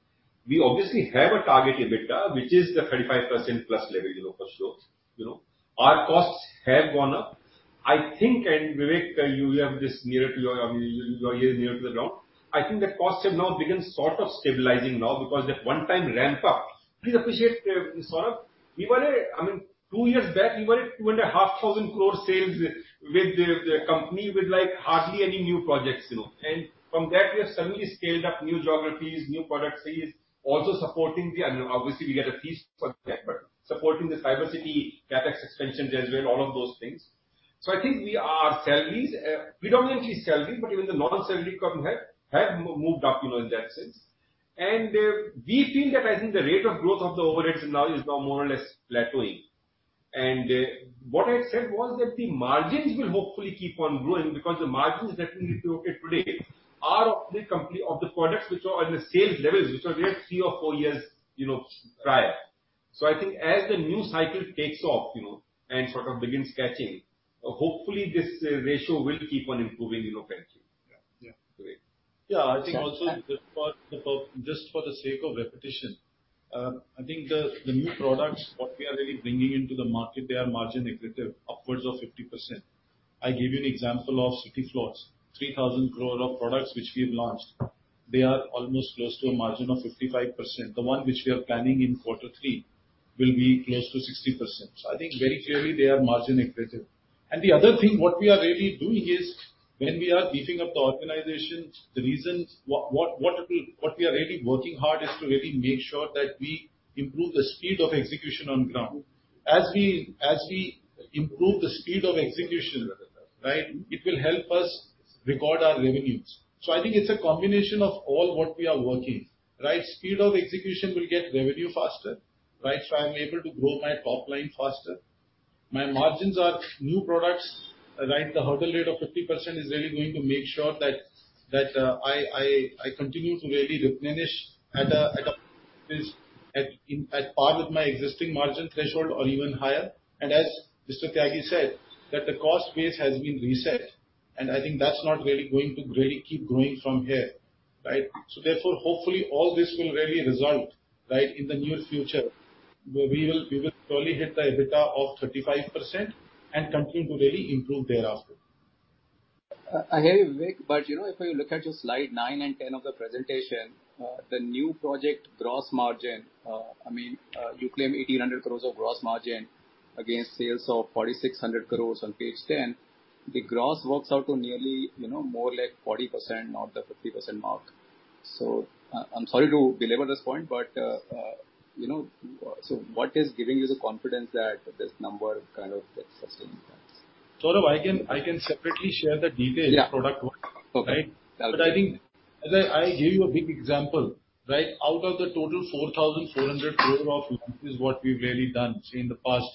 we obviously have a target EBITDA, which is the 35%+ level, you know, for sure. You know, our costs have gone up. I think, and Vivek, you have this nearer to your, I mean your ear nearer to the ground. I think the costs have now begun sort of stabilizing now because that one-time ramp up. Please appreciate, Saurabh, we were, I mean, two years back we were at 2,500 crore sales with the company with like hardly any new projects, you know. From that we have suddenly scaled up new geographies, new product series, also supporting the Obviously we get a piece for that, but supporting the Cyber City CapEx expansion as well, all of those things. I think we are sales. Predominantly sales, but even the non-sales income have moved up, you know, in that sense. We feel that I think the rate of growth of the overheads now is more or less plateauing. What I said was that the margins will hopefully keep on growing because the margins that we look at today are of the company, of the products which are on the sales levels which were there three or four years, you know, prior. I think as the new cycle takes off, you know, and sort of begins catching, hopefully this ratio will keep on improving, you know, frankly. Yeah. Great. Yeah. I think also just for the sake of repetition, I think the new products what we are really bringing into the market, they are margin negative upwards of 50%. I'll give you an example of City Floors, 3,000 crore of products which we have launched. They are almost close to a margin of 55%. The one which we are planning in quarter three will be close to 60%. I think very clearly they are margin negative. The other thing what we are really doing is when we are beefing up the organization, the reasons what we are really working hard is to really make sure that we improve the speed of execution on ground. As we improve the speed of execution. Right. It will help us record our revenues. I think it's a combination of all what we are working, right? Speed of execution will get revenue faster, right? I'm able to grow my top line faster. My margins are new products, right? The hurdle rate of 50% is really going to make sure that I continue to really replenish at par with my existing margin threshold or even higher. As Mr. Tyagi said that the cost base has been reset, and I think that's not really going to really keep growing from here, right? Therefore, hopefully, all this will really result, right, in the near future, where we will surely hit the EBITDA of 35% and continue to really improve thereafter. I hear you, Vivek, but you know, if you look at your slide 9 and 10 of the presentation, the new project gross margin, I mean, you claim 1,800 crore of gross margin against sales of 4,600 crore on page 10. The gross works out to nearly, you know, more like 40%, not the 50% mark. I'm sorry to belabor this point, but, you know. What is giving you the confidence that this number kind of gets sustained? Saurabh, I can separately share the details. Yeah. Product wise. Okay. I think as I give you a big example, right? Out of the total INR 4,400 crore, which is what we've really done, say, in the past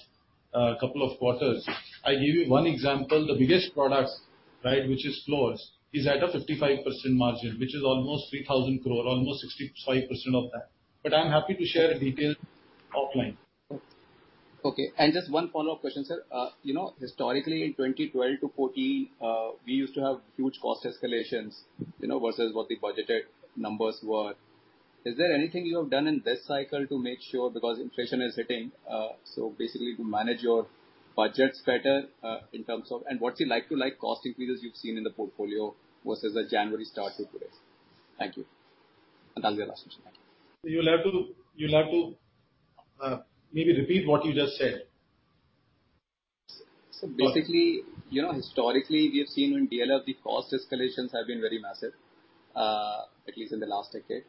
couple of quarters. I give you one example. The biggest products, right, which is floors, is at a 55% margin, which is almost 3,000 crore, almost 65% of that. I'm happy to share the details offline. Okay. Just one follow-up question, sir. You know, historically in 2012 to 2014, we used to have huge cost escalations, you know, versus what the budgeted numbers were. Is there anything you have done in this cycle to make sure because inflation is hitting? Basically to manage your budgets better, in terms of and what's your like-for-like cost increases you've seen in the portfolio versus the January start to today. Thank you. That'll be last question. Thank you. You'll have to maybe repeat what you just said. Basically, you know, historically we have seen in DLF the cost escalations have been very massive, at least in the last decade.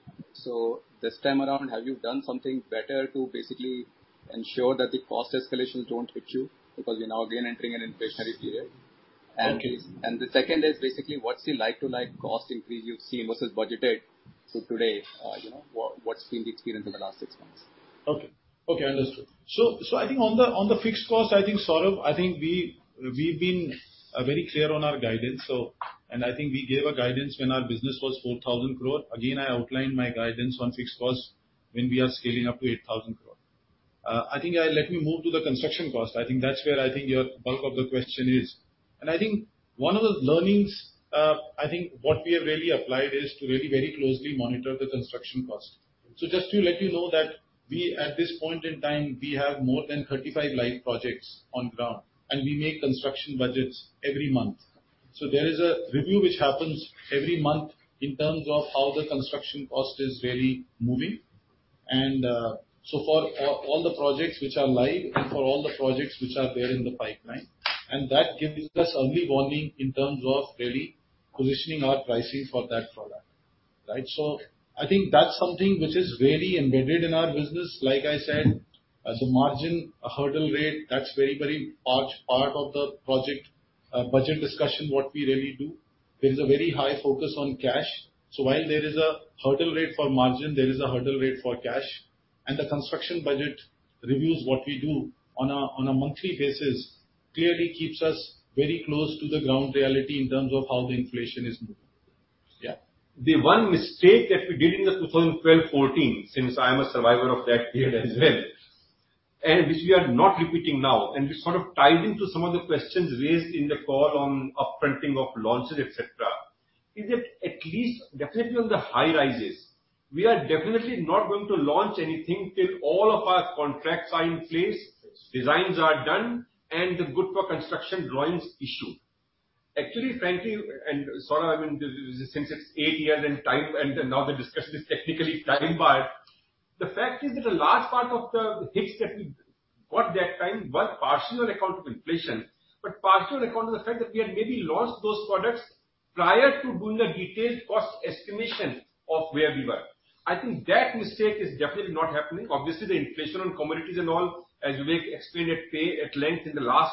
This time around, have you done something better to basically ensure that the cost escalations don't hit you because you're now again entering an inflationary period? Okay. The second is basically what's the like-for-like cost increase you've seen versus budgeted to date? You know, what's been the experience in the last six months? Okay, understood. I think on the fixed cost, I think, Saurabh, I think we've been very clear on our guidance. I think we gave a guidance when our business was 4,000 crore. Again, I outlined my guidance on fixed costs when we are scaling up to 8,000 crore. I think let me move to the construction cost. I think that's where I think your bulk of the question is, and I think one of the learnings, I think what we have really applied is to really very closely monitor the construction cost. Just to let you know that we, at this point in time, we have more than 35 live projects on ground and we make construction budgets every month. There is a review which happens every month in terms of how the construction cost is really moving. For all the projects which are live and for all the projects which are there in the pipeline, and that gives us early warning in terms of really positioning our pricing for that product, right? I think that's something which is really embedded in our business. Like I said, as a margin hurdle rate, that's very, very large part of the project budget discussion, what we really do. There is a very high focus on cash. While there is a hurdle rate for margin, there is a hurdle rate for cash. The construction budget reviews, what we do on a monthly basis, clearly keeps us very close to the ground reality in terms of how the inflation is moving. Yeah. The one mistake that we did in the 2012-2014, since I am a survivor of that period as well, and which we are not repeating now and which sort of ties into some of the questions raised in the call on up-fronting of launches, et cetera, is that at least definitely on the high-rises, we are definitely not going to launch anything till all of our contracts are in place. Yes. Designs are done and the good for construction drawings issued. Actually, frankly, and Saurabh, I mean, since it's eight years in time and now the discussion is technically timed by the fact is that a large part of the hits that we got that time were partly on account of inflation, but partly on account of the fact that we had maybe launched those products prior to doing a detailed cost estimation of where we were. I think that mistake is definitely not happening. Obviously, the inflation on commodities and all, as Vivek explained at length in the last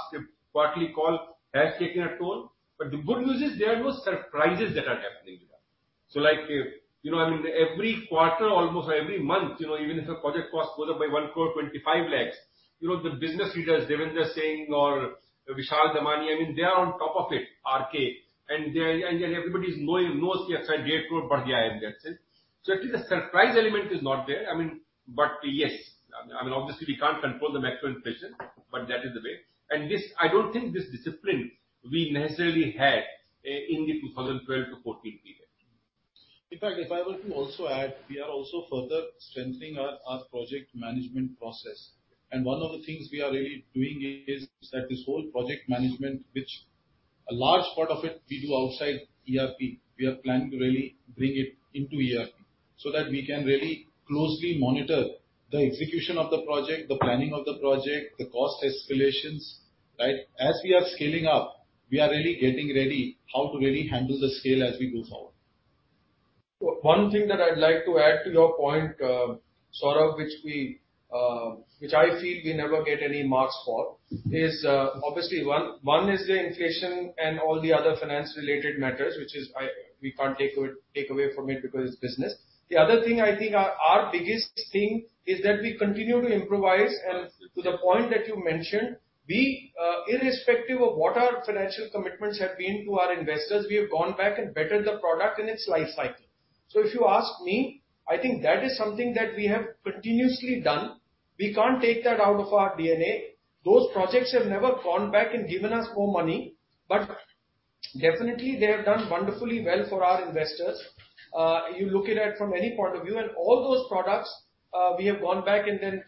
quarterly call, has taken a toll. The good news is there are no surprises that are happening. Like, you know, I mean, every quarter, almost every month, you know, even if a project cost goes up by 1.25 crore, you know, the business leaders, Devender Singh or Vishal Damani, I mean, they are on top of it, RK, and everybody knows. At least the surprise element is not there. I mean, yes, I mean, obviously we can't control the macro inflation, but that is the way. This, I don't think this discipline we necessarily had in the 2012-2014 period. In fact, if I were to also add, we are also further strengthening our project management process. One of the things we are really doing is that this whole project management, which a large part of it we do outside ERP, we are planning to really bring it into ERP so that we can really closely monitor the execution of the project, the planning of the project, the cost escalations, right? As we are scaling up, we are really getting ready how to really handle the scale as we move forward. One thing that I'd like to add to your point, Saurabh, which I feel we never get any marks for is, obviously one is the inflation and all the other financial related matters, which is, we can't take away from it because it's business. The other thing I think our biggest thing is that we continue to improvise and to the point that you mentioned, we, irrespective of what our financial commitments have been to our investors, we have gone back and bettered the product in its life cycle. If you ask me, I think that is something that we have continuously done. We can't take that out of our DNA. Those projects have never gone back and given us more money. Definitely they have done wonderfully well for our investors. You look at it from any point of view and all those products, we have gone back to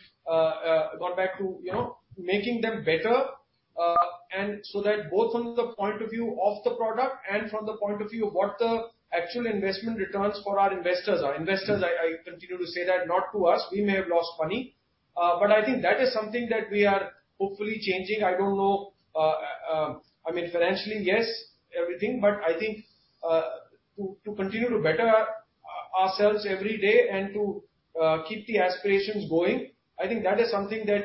you know making them better. That both from the point of view of the product and from the point of view of what the actual investment returns for our investors are. Investors, I continue to say that not to us, we may have lost money. I think that is something that we are hopefully changing. I don't know, I mean, financially, yes, everything. I think to continue to better ourselves every day and to keep the aspirations going, I think that is something that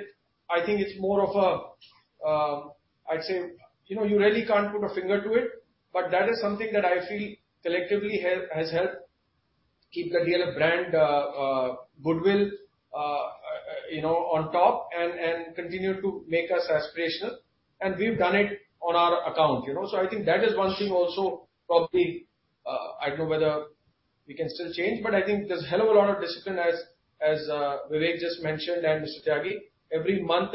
I think it's more of a, I'd say, you know, you really can't put a finger to it, but that is something that I feel collectively has helped keep the DLF brand, you know, on top and continue to make us aspirational. We've done it on our account, you know. I think that is one thing also probably, I don't know whether we can still change, but I think there's a hell of a lot of discipline as Vivek just mentioned, and Mr. Tyagi every month,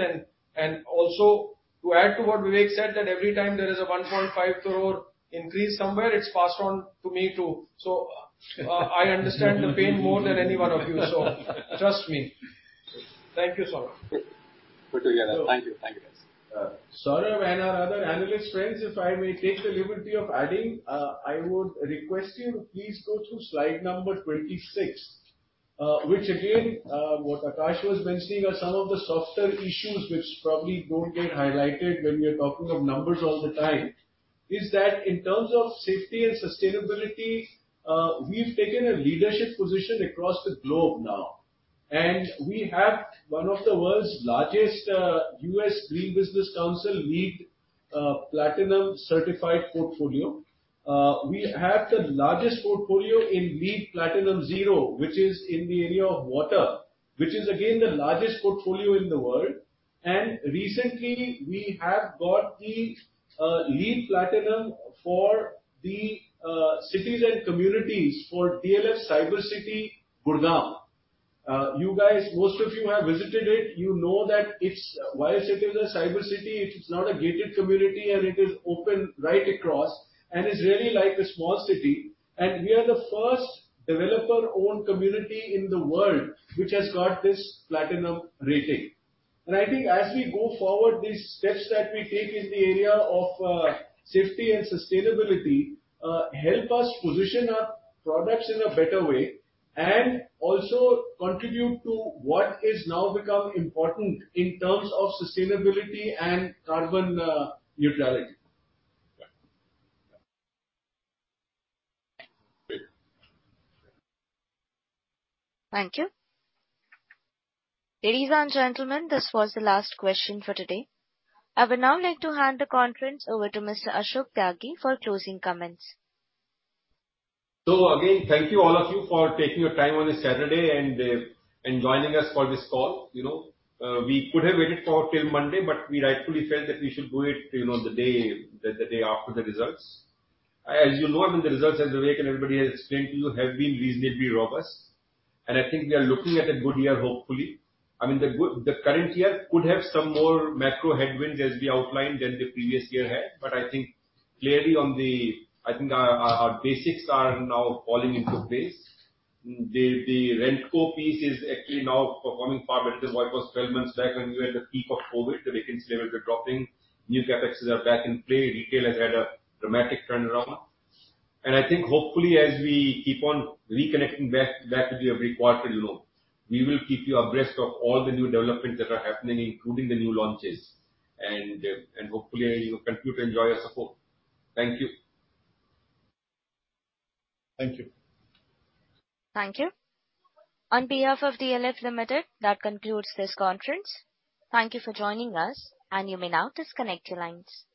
also to add to what Vivek said, that every time there is a 1.5 crore increase somewhere, it's passed on to me too. I understand the pain more than any one of you, so trust me. Thank you, Saurabh. Good together. Thank you. Thank you, guys. Saurabh and our other analyst friends, if I may take the liberty of adding, I would request you to please go to slide number 26. Which again, what Akash was mentioning are some of the softer issues which probably don't get highlighted when we are talking of numbers all the time, is that in terms of safety and sustainability, we've taken a leadership position across the globe now, and we have one of the world's largest, U.S. Green Building Council LEED Platinum certified portfolio. We have the largest portfolio in LEED Platinum Zero, which is in the area of water, which is again the largest portfolio in the world. Recently we have got the LEED Platinum for the cities and communities for DLF Cyber City, Gurgaon. You guys, most of you have visited it. You know that it's. While it's sitting in the Cyber City, it's not a gated community and it is open right across and is really like a small city. We are the first developer-owned community in the world which has got this Platinum rating. I think as we go forward, these steps that we take in the area of, safety and sustainability, help us position our products in a better way and also contribute to what is now become important in terms of sustainability and carbon, neutrality. Great. Thank you. Ladies and gentlemen, this was the last question for today. I would now like to hand the conference over to Mr. Ashok Tyagi for closing comments. Again, thank you all of you for taking your time on this Saturday and joining us for this call. We could have waited till Monday, but we rightfully felt that we should do it, you know, the day after the results. As you know, I mean, the results as Vivek and everybody has explained to you have been reasonably robust, and I think we are looking at a good year, hopefully. I mean, the current year could have some more macro headwinds as we outlined than the previous year had. I think clearly our basics are now falling into place. The RentCo piece is actually now performing far better than what it was 12 months back when we were at the peak of COVID. The vacancy levels were dropping. New CapExes are back in play. Retail has had a dramatic turnaround. I think hopefully as we keep on reconnecting back to the required rhythm, we will keep you abreast of all the new developments that are happening, including the new launches and hopefully you continue to enjoy your support. Thank you. Thank you. Thank you. On behalf of DLF Limited, that concludes this conference. Thank you for joining us, and you may now disconnect your lines.